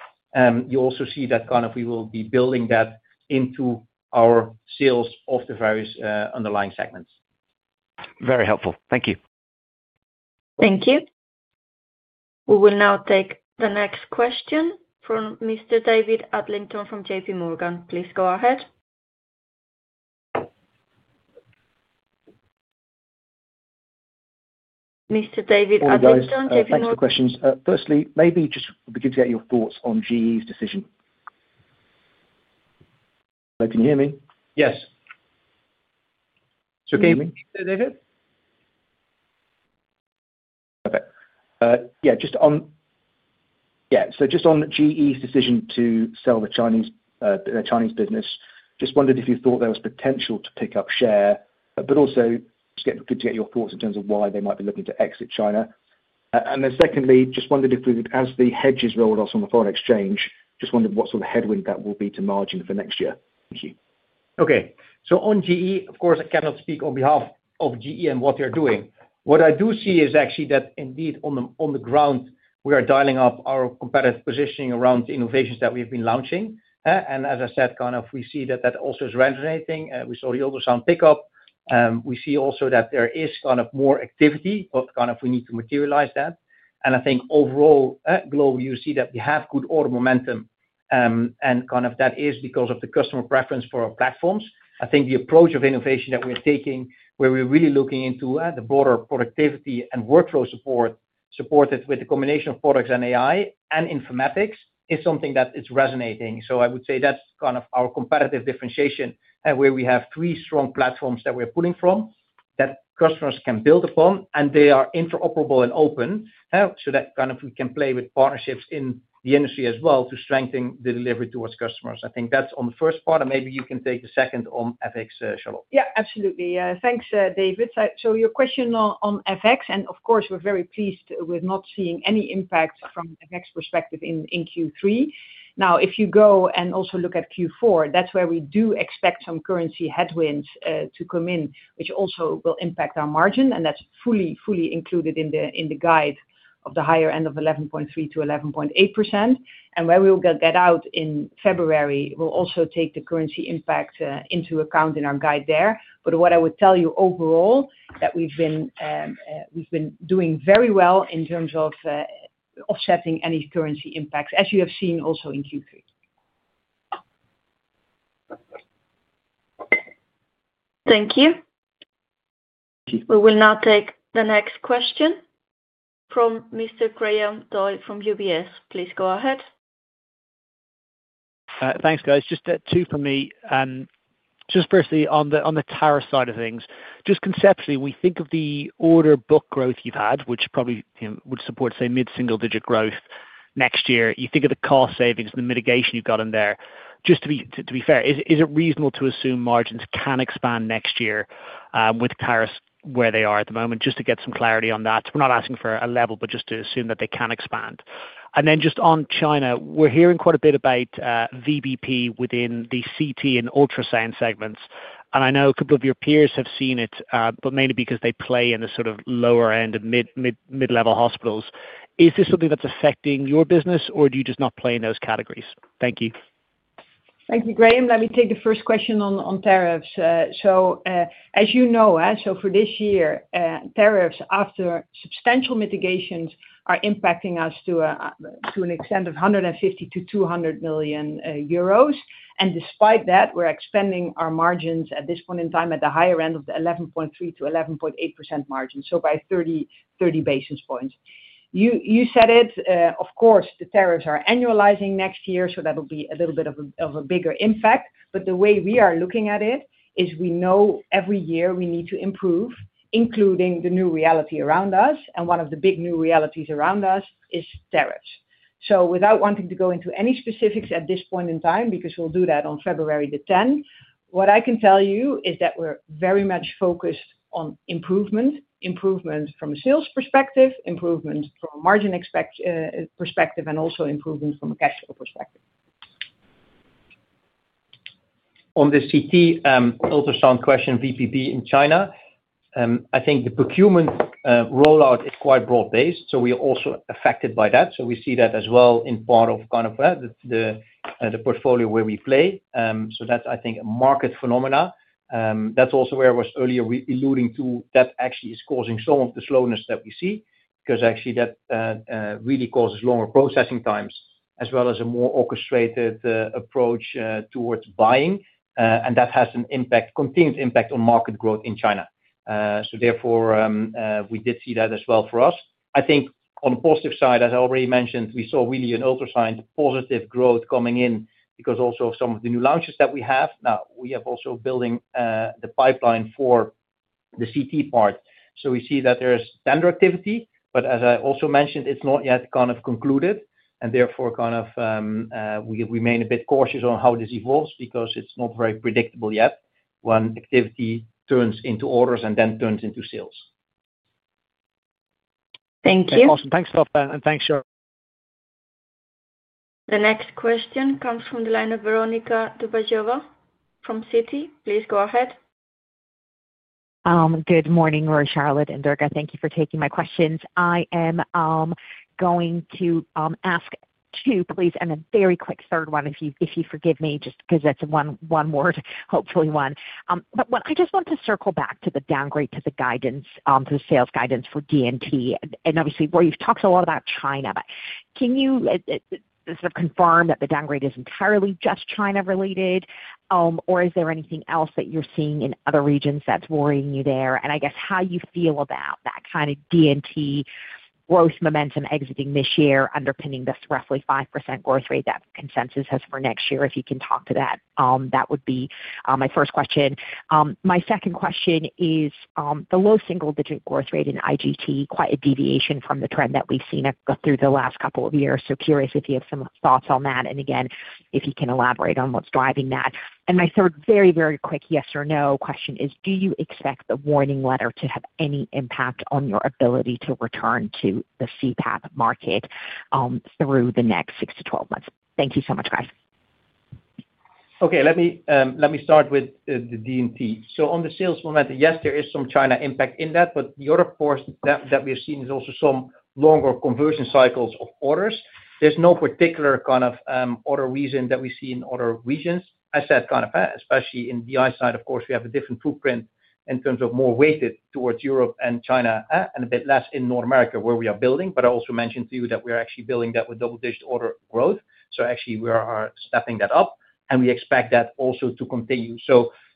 You also see that kind of we will be building that into our sales of the various underlying segments. Very helpful. Thank you. Thank you. We will now take the next question from Mr. David Adlington from JPMorgan. Please go ahead. Mr. David Adlington, JPMorgan. Thanks for the questions. Firstly, maybe just we could get your thoughts on GE's decision. Hello? Can you hear me? Yes. So can you hear me, David? Perfect. Yeah. Yeah. Just on GE's decision to sell the Chinese. Business, just wondered if you thought there was potential to pick up share, but also just good to get your thoughts in terms of why they might be looking to exit China. Secondly, just wondered if we would, as the hedges rolled us on the foreign exchange, just wondered what sort of headwind that will be to margin for next year. Thank you. Okay. On GE, of course, I cannot speak on behalf of GE and what they're doing. What I do see is actually that indeed on the ground, we are dialing up our competitive positioning around the innovations that we have been launching. As I said, we see that that also is resonating. We saw the ultrasound pickup. We see also that there is more activity of kind of we need to materialize that. I think overall, globally, you see that we have good order momentum. That is because of the customer preference for our platforms. I think the approach of innovation that we're taking, where we're really looking into the broader productivity and workflow support, supported with the combination of products and AI and informatics, is something that is resonating. I would say that's our competitive differentiation where we have three strong platforms that we're pulling from that customers can build upon, and they are interoperable and open. We can play with partnerships in the industry as well to strengthen the delivery towards customers. I think that's on the first part, and maybe you can take the second on FX, Charlotte. Yeah, absolutely. Thanks, David. Your question on FX, and of course, we're very pleased with not seeing any impact from FX perspective in Q3. Now, if you go and also look at Q4, that's where we do expect some currency headwinds to come in, which also will impact our margin. That's fully, fully included in the guide of the higher end of 11.3%-11.8%. Where we will get out in February, we'll also take the currency impact into account in our guide there. What I would tell you overall, that we've been doing very well in terms of offsetting any currency impacts, as you have seen also in Q3. Thank you. We will now take the next question from Mr. Graham Doyle from UBS. Please go ahead. Thanks, guys. Just two for me. Just briefly on the tariff side of things. Conceptually, when we think of the order book growth you've had, which probably would support, say, mid-single-digit growth next year, you think of the cost savings and the mitigation you've got in there. Just to be fair, is it reasonable to assume margins can expand next year with tariffs where they are at the moment? Just to get some clarity on that. We're not asking for a level, but just to assume that they can expand. And then just on China, we're hearing quite a bit about VBP within the CT and ultrasound segments. And I know a couple of your peers have seen it, but mainly because they play in the sort of lower end and mid-level hospitals. Is this something that's affecting your business, or do you just not play in those categories? Thank you. Thank you, Graham. Let me take the first question on tariffs. As you know, for this year, tariffs after substantial mitigations are impacting us to an extent of 150 million-200 million euros. And despite that, we're expanding our margins at this point in time at the higher end of the 11.3%-11.8% margin, so by 30 basis points. You said it. Of course, the tariffs are annualizing next year, so that will be a little bit of a bigger impact. The way we are looking at it is we know every year we need to improve, including the new reality around us. One of the big new realities around us is tariffs. Without wanting to go into any specifics at this point in time, because we'll do that on February the 10th, what I can tell you is that we're very much focused on improvement, improvement from a sales perspective, improvement from a margin perspective, and also improvement from a cash flow perspective. On the CT ultrasound question, VBP in China, I think the procurement rollout is quite broad-based, so we are also affected by that. We see that as well in part of the portfolio where we play. That's, I think, a market phenomena. That's also where I was earlier alluding to that actually is causing some of the slowness that we see because actually that really causes longer processing times as well as a more orchestrated approach towards buying. That has an impact, continued impact on market growth in China. Therefore, we did see that as well for us. I think on the positive side, as I already mentioned, we saw really an ultrasound positive growth coming in because also of some of the new launches that we have. Now, we have also building the pipeline for the CT part. We see that there's tender activity, but as I also mentioned, it's not yet kind of concluded. Therefore, we remain a bit cautious on how this evolves because it's not very predictable yet when activity turns into orders and then turns into sales. Thank you. Awesome. Thanks, Roy. And thanks, Charlotte. The next question comes from the line of Veronika Dubajova from Citi. Please go ahead. Good morning, Roy, Charlotte, and Durga. Thank you for taking my questions. I am going to ask two please, and a very quick third one if you forgive me, just because that's one word, hopefully one. But I just want to circle back to the downgrade, to the guidance, to the sales guidance for D&T. Obviously, Roy, you've talked a lot about China, but can you sort of confirm that the downgrade is entirely just China-related? Is there anything else that you're seeing in other regions that's worrying you there? I guess how you feel about that kind of D&T growth momentum exiting this year, underpinning this roughly 5% growth rate that consensus has for next year, if you can talk to that. That would be my first question. My second question is the low single-digit growth rate in IGT, quite a deviation from the trend that we've seen through the last couple of years. Curious if you have some thoughts on that. If you can elaborate on what's driving that. My third, very, very quick yes or no question is, do you expect the warning letter to have any impact on your ability to return to the CPAP market through the next 6-12 months? Thank you so much, guys. Let me start with the D&T. On the sales momentum, yes, there is some China impact in that, but the other part that we've seen is also some longer conversion cycles of orders. There's no particular kind of order reason that we see in other regions. I said kind of, especially in the I side, of course, we have a different footprint in terms of more weighted towards Europe and China and a bit less in North America where we are building. I also mentioned to you that we're actually building that with double-digit order growth. We are stepping that up, and we expect that also to continue.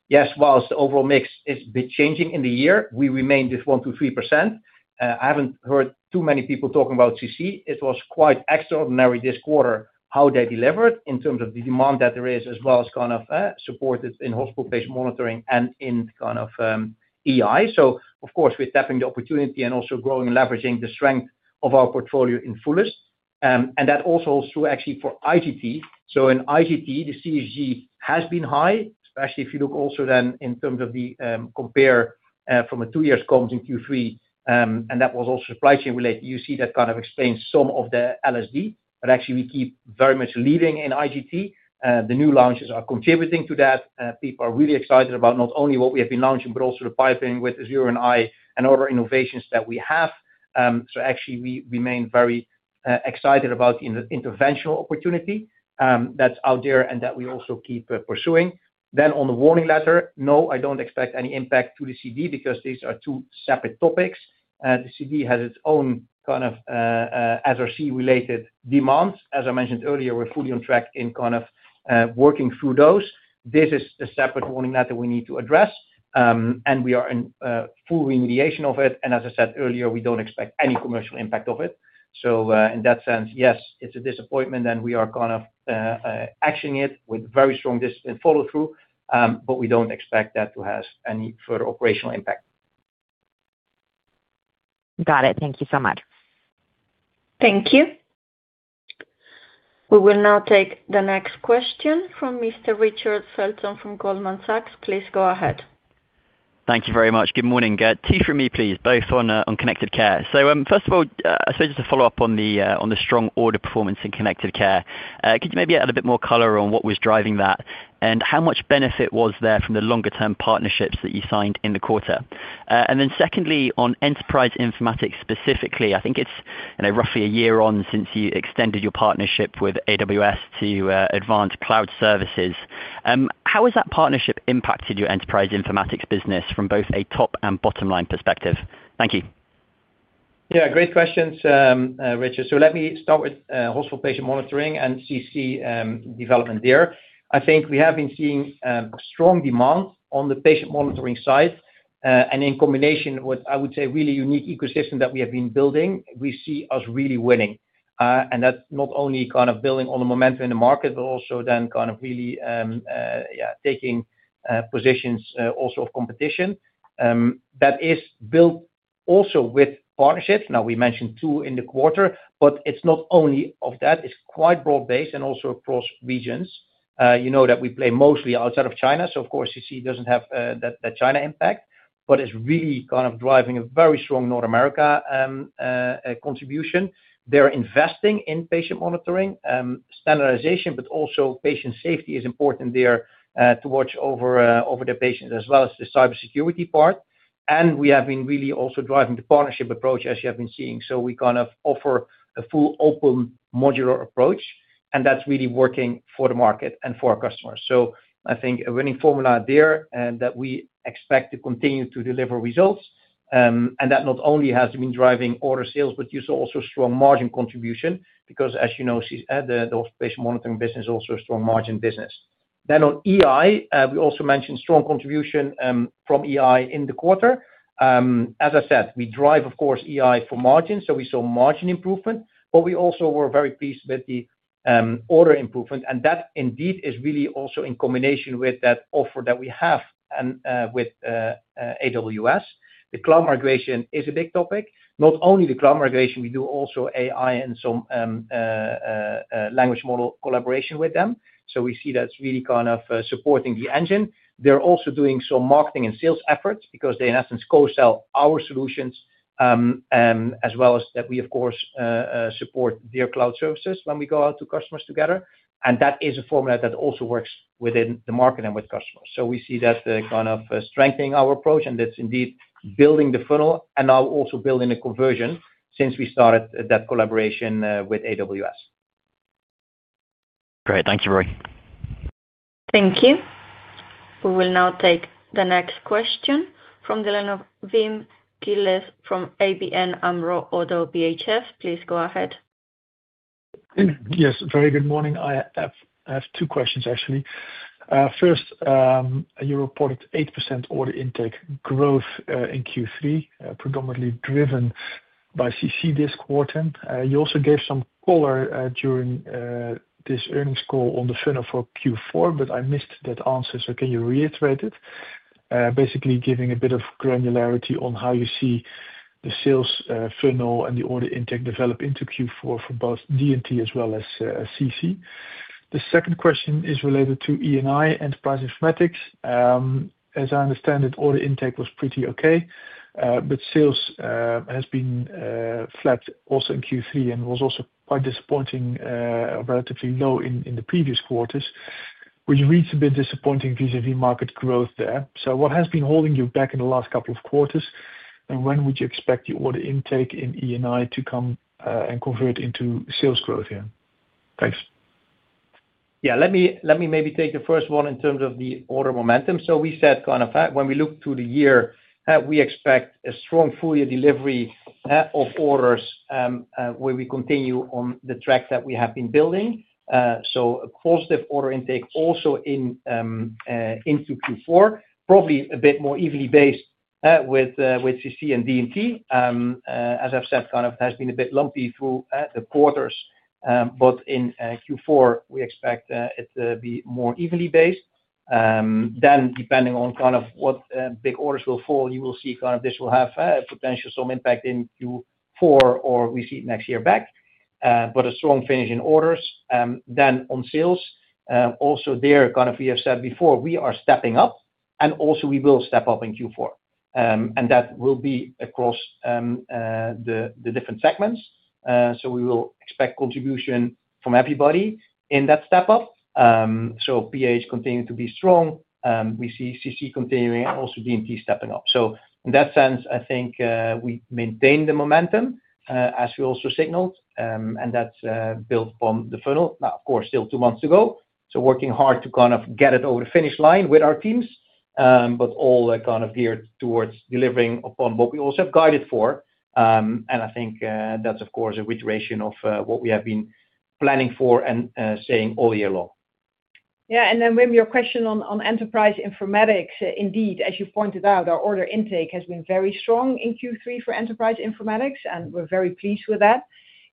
Yes, whilst the overall mix is a bit changing in the year, we remain with 1%-3%. I haven't heard too many people talking about CC. It was quite extraordinary this quarter how they delivered in terms of the demand that there is, as well as supported in hospital-based monitoring and in EI. We are tapping the opportunity and also growing and leveraging the strength of our portfolio in fullest. That also holds true for IGT. In IGT, the CSG has been high, especially if you look also in terms of the compare from a two-year comms in Q3. That was also supply chain related. You see that kind of explains some of the LSD. We keep very much leading in IGT. The new launches are contributing to that. People are really excited about not only what we have been launching, but also the pipeline with Azurion and other innovations that we have. We remain very excited about the interventional opportunity that's out there and that we also keep pursuing. On the warning letter, no, I don't expect any impact to the CD because these are two separate topics. The CD has its own SRC-related demands. As I mentioned earlier, we're fully on track in kind of working through those. This is a separate warning letter we need to address. We are in full remediation of it. As I said earlier, we don't expect any commercial impact of it. In that sense, yes, it's a disappointment. We are kind of actioning it with very strong discipline follow-through, but we don't expect that to have any further operational impact. Got it. Thank you so much. Thank you. We will now take the next question from Mr. Richard Felton from Goldman Sachs. Please go ahead. Thank you very much. Good morning. Tea for me, please, both on Connected Care. First of all, I suppose just to follow up on the strong order performance in Connected Care, could you maybe add a bit more color on what was driving that and how much benefit was there from the longer-term partnerships that you signed in the quarter? Secondly, on enterprise informatics specifically, I think it's roughly a year on since you extended your partnership with AWS to advance cloud services. How has that partnership impacted your enterprise informatics business from both a top and bottom-line perspective? Thank you. Yeah, great questions, Richard. Let me start with hospital patient monitoring and CC development there. I think we have been seeing strong demand on the patient monitoring side. In combination with, I would say, a really unique ecosystem that we have been building, we see us really winning. That's not only kind of building on the momentum in the market, but also then kind of really taking positions also off competition. That is built also with partnerships. We mentioned two in the quarter, but it's not only of that. It's quite broad-based and also across regions. You know that we play mostly outside of China. Of course, CC doesn't have that China impact, but it's really kind of driving a very strong North America contribution. They're investing in patient monitoring, standardization, but also patient safety is important there to watch over the patients as well as the cybersecurity part. We have been really also driving the partnership approach, as you have been seeing. We kind of offer a full open modular approach, and that's really working for the market and for our customers. I think a winning formula there that we expect to continue to deliver results. That not only has been driving order sales, but also strong margin contribution because, as you know, the hospital patient monitoring business is also a strong margin business. Then on EI, we also mentioned strong contribution from EI in the quarter. As I said, we drive, of course, EI for margin. We saw margin improvement, but we also were very pleased with the order improvement. That indeed is really also in combination with that offer that we have with AWS. The cloud migration is a big topic. Not only the cloud migration, we do also AI and some language model collaboration with them. We see that is really kind of supporting the engine. They are also doing some marketing and sales efforts because they, in essence, co-sell our solutions. As well as that, we, of course, support their cloud services when we go out to customers together. That is a formula that also works within the market and with customers. We see that kind of strengthening our approach, and that is indeed building the funnel and now also building the conversion since we started that collaboration with AWS. Great. Thank you, Roy. Thank you. We will now take the next question from the line of Wim Gille from ABN AMRO – ODDO BHF. Please go ahead. Yes. Very good morning. I have two questions, actually. First, you reported 8% order intake growth in Q3, predominantly driven by CC this quarter. You also gave some color during this earnings call on the funnel for Q4, but I missed that answer. Can you reiterate it, basically giving a bit of granularity on how you see the sales funnel and the order intake develop into Q4 for both D&T as well as CC? The second question is related to E&I, enterprise informatics. As I understand it, order intake was pretty okay, but sales have been flat also in Q3 and were also quite disappointing, relatively low in the previous quarters, which reads a bit disappointing vis-à-vis market growth there. What has been holding you back in the last couple of quarters, and when would you expect the order intake in E&I to come and convert into sales growth here? Thanks. Yeah. Let me maybe take the first one in terms of the order momentum. We said when we look to the year, we expect a strong full-year delivery of orders where we continue on the track that we have been building. A positive order intake also into Q4, probably a bit more evenly based with CC and D&T. As I have said, it has been a bit lumpy through the quarters, but in Q4, we expect it to be more evenly based. Then, depending on what big orders will fall, you will see this will have potential some impact in Q4 or we see it next year back, but a strong finish in orders. On sales, we have said before, we are stepping up, and we will step up in Q4. That will be across the different segments. We will expect contribution from everybody in that step up. PH continuing to be strong. We see CC continuing and also D&T stepping up. In that sense, I think we maintain the momentum as we also signaled, and that is built upon the funnel. Now, of course, still two months to go. So working hard to kind of get it over the finish line with our teams, but all kind of geared towards delivering upon what we also have guided for. I think that's, of course, a reiteration of what we have been planning for and saying all year long. Yeah. Then Wim, your question on enterprise informatics, indeed, as you pointed out, our order intake has been very strong in Q3 for enterprise informatics, and we're very pleased with that.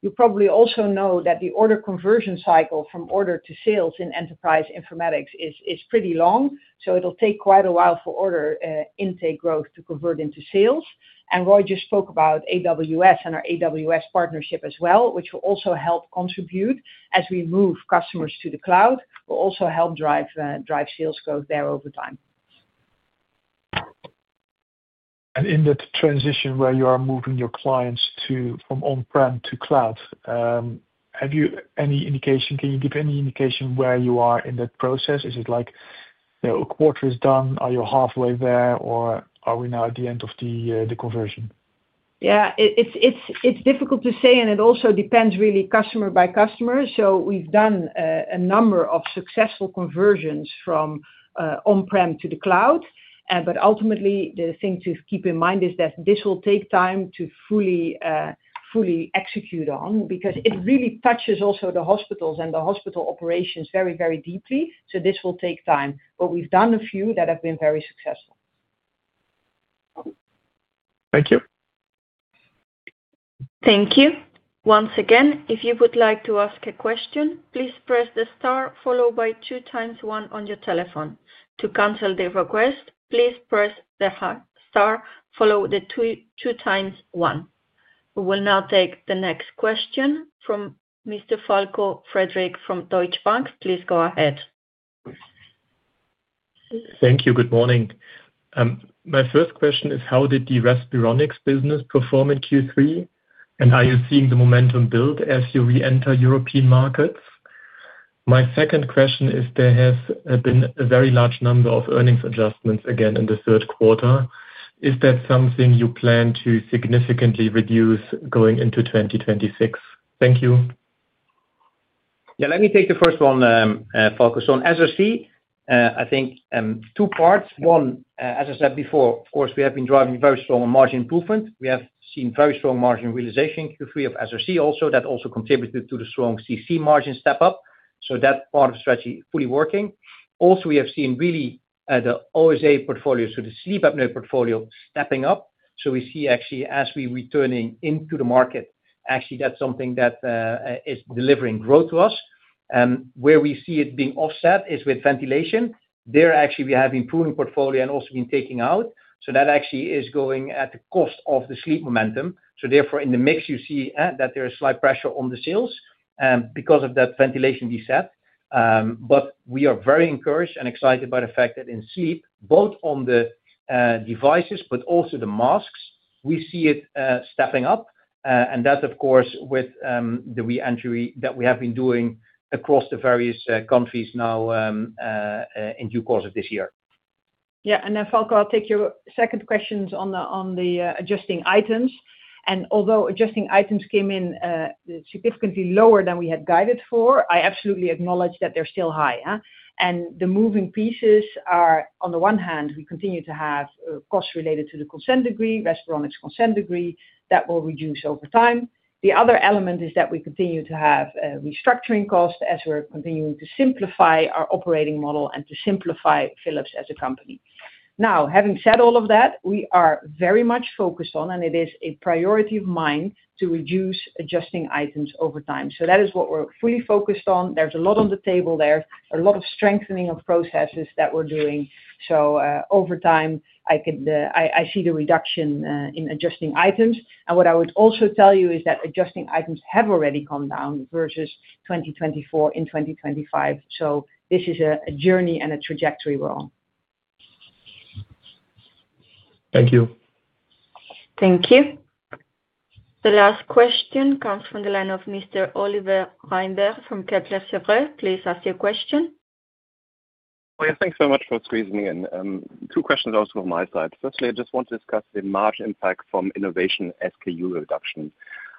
You probably also know that the order conversion cycle from order to sales in enterprise informatics is pretty long. It'll take quite a while for order intake growth to convert into sales. Roy just spoke about AWS and our AWS partnership as well, which will also help contribute as we move customers to the cloud. We'll also help drive sales growth there over time. In that transition where you are moving your clients from on-prem to cloud, have you any indication? Can you give any indication where you are in that process? Is it like a quarter is done? Are you halfway there, or are we now at the end of the conversion? Yeah. It's difficult to say, and it also depends really customer by customer. We've done a number of successful conversions from on-prem to the cloud. Ultimately, the thing to keep in mind is that this will take time to fully execute on because it really touches also the hospitals and the hospital operations very, very deeply. This will take time. We've done a few that have been very successful. Thank you. Thank you. Once again, if you would like to ask a question, please press the star followed by two times one on your telephone. To cancel the request, please press the star followed by two times one. We will now take the next question from Mr. Falko Friedrichs from Deutsche Bank. Please go ahead. Thank you. Good morning. My first question is, how did the Respironics business perform in Q3? Are you seeing the momentum build as you re-enter European markets? My second question is, there has been a very large number of earnings adjustments again in the third quarter. Is that something you plan to significantly reduce going into 2026? Thank you. Yeah. Let me take the first one, Falko. SRC, I think two parts. One, as I said before, of course, we have been driving very strong margin improvement. We have seen very strong margin realization Q3 of SRC also. That also contributed to the strong CC margin step up. That part of the strategy is fully working. Also, we have seen really the OSA portfolio, so the sleep apnea portfolio, stepping up. We see actually as we're returning into the market, actually that's something that is delivering growth to us. Where we see it being offset is with ventilation. There, actually, we have improving portfolio and also been taking out. That actually is going at the cost of the sleep momentum. Therefore, in the mix, you see that there is slight pressure on the sales because of that ventilation reset. We are very encouraged and excited by the fact that in sleep, both on the devices but also the masks, we see it stepping up. That, of course, with the re-entry that we have been doing across the various countries now in due course of this year. Yeah. Then, Falko, I'll take your second questions on the adjusting items. Although adjusting items came in significantly lower than we had guided for, I absolutely acknowledge that they're still high. The moving pieces are, on the one hand, we continue to have costs related to the consent decree, Respironics consent decree. That will reduce over time. The other element is that we continue to have restructuring costs as we're continuing to simplify our operating model and to simplify Philips as a company. Now, having said all of that, we are very much focused on, and it is a priority of mine to reduce adjusting items over time. That is what we're fully focused on. There's a lot on the table there. A lot of strengthening of processes that we're doing. Over time, I see the reduction in adjusting items. What I would also tell you is that adjusting items have already come down versus 2024 in 2025. This is a journey and a trajectory we're on. Thank you. Thank you. The last question comes from the line of Mr. Oliver Reinberg from Kepler Cheuvreux. Please ask your question. Thanks so much for squeezing in. Two questions also from my side. Firstly, I just want to discuss the margin impact from innovation SKU reduction.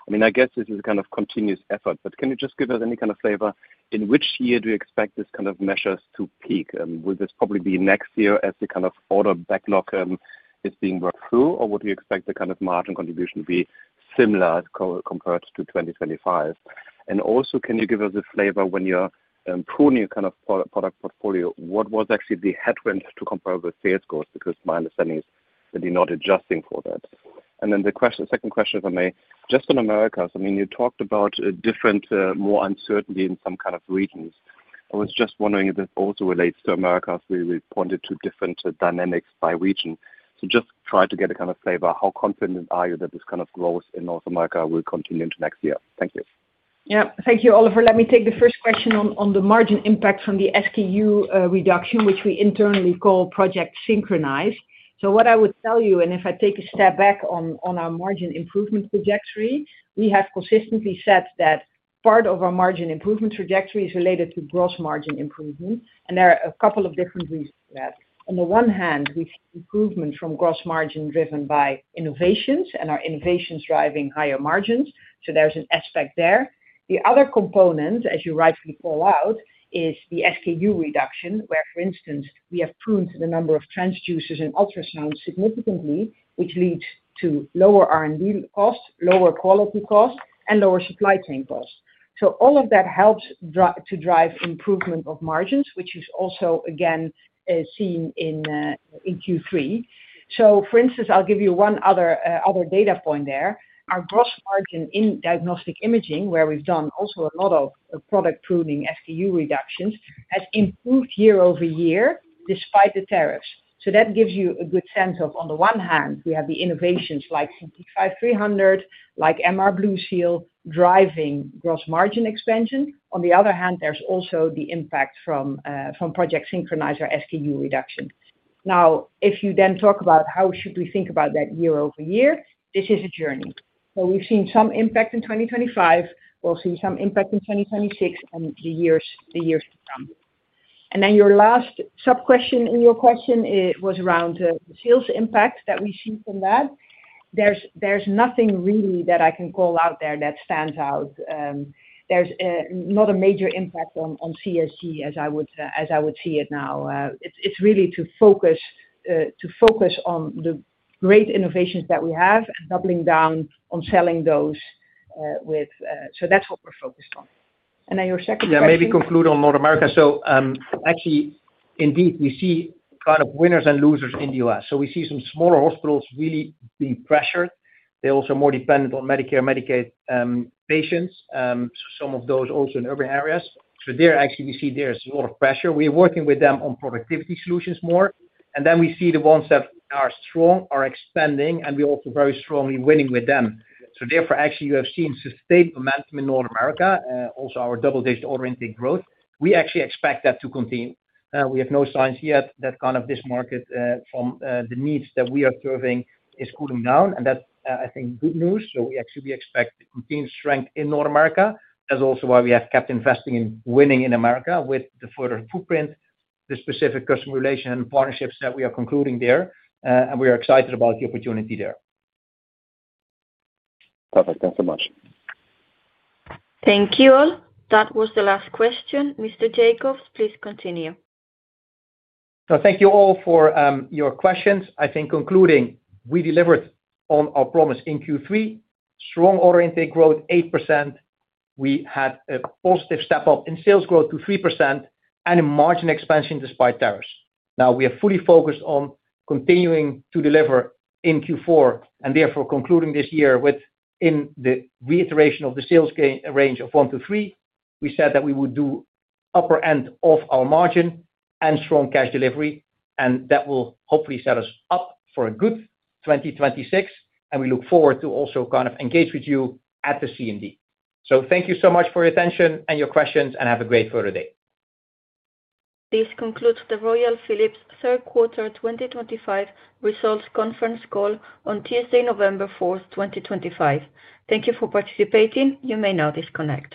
I mean, I guess this is a kind of continuous effort, but can you just give us any kind of flavor in which year do you expect this kind of measures to peak? Will this probably be next year as the kind of order backlog is being worked through, or would you expect the kind of margin contribution to be similar compared to 2025? Also, can you give us a flavor when you're pruning your kind of product portfolio? What was actually the headwind to compare with sales growth? Because my understanding is that you're not adjusting for that. The second question, if I may, just on Americas. I mean, you talked about different, more uncertainty in some kind of regions. I was just wondering if this also relates to Americas where we pointed to different dynamics by region. Just try to get a kind of flavor, how confident are you that this kind of growth in North America will continue into next year? Thank you. Yeah. Thank you, Oliver. Let me take the first question on the margin impact from the SKU reduction, which we internally call Project Synchronize. So what I would tell you, and if I take a step back on our margin improvement trajectory, we have consistently said that part of our margin improvement trajectory is related to gross margin improvement. There are a couple of different reasons for that. On the one hand, we see improvement from gross margin driven by innovations, and our innovations driving higher margins. There is an aspect there. The other component, as you rightly call out, is the SKU reduction, where, for instance, we have pruned the number of transducers and ultrasounds significantly, which leads to lower R&D costs, lower quality costs, and lower supply chain costs. All of that helps to drive improvement of margins, which is also, again, seen in Q3. For instance, I'll give you one other data point there. Our gross margin in diagnostic imaging, where we've done also a lot of product pruning SKU reductions, has improved year-over-year despite the tariffs. That gives you a good sense of, on the one hand, we have the innovations like CT 5300, like BlueSeal MR driving gross margin expansion. On the other hand, there is also the impact from Project Synchronizer SKU reduction. Now, if you then talk about how should we think about that year-over-year, this is a journey. We have seen some impact in 2025. We'll see some impact in 2026 and the years to come. Your last sub-question in your question was around the sales impact that we see from that. There is nothing really that I can call out there that stands out. There is not a major impact on CSG, as I would see it now. It is really to focus on the great innovations that we have and doubling down on selling those. That is what we're focused on. Your second question. Yeah. Maybe conclude on North America. Actually, indeed, we see kind of winners and losers in the U.S. We see some smaller hospitals really being pressured. They are also more dependent on Medicare, Medicaid patients, some of those also in urban areas. There, actually, we see there is a lot of pressure. We are working with them on productivity solutions more. Then we see the ones that are strong are expanding, and we are also very strongly winning with them. Therefore, actually, you have seen sustained momentum in North America, also our double-digit order intake growth. We actually expect that to continue. We have no signs yet that kind of this market from the needs that we are serving is cooling down. That is, I think, good news. We actually expect continued strength in North America. That is also why we have kept investing in winning in America with the further footprint, the specific customer relation and partnerships that we are concluding there. We are excited about the opportunity there. Perfect. Thanks so much. Thank you all. That was the last question. Mr. Jakobs, please continue. Thank you all for your questions. I think, concluding, we delivered on our promise in Q3. Strong order intake growth, 8%. We had a positive step up in sales growth to 3% and a margin expansion despite tariffs. Now, we are fully focused on continuing to deliver in Q4 and therefore concluding this year within the reiteration of the sales range of 1%-3%. We said that we would do upper end of our margin and strong cash delivery, and that will hopefully set us up for a good 2026. We look forward to also kind of engage with you at the C&D. Thank you so much for your attention and your questions, and have a great further day. This concludes the Royal Philips third quarter 2025 results conference call on Tuesday, November 4th, 2025. Thank you for participating. You may now disconnect.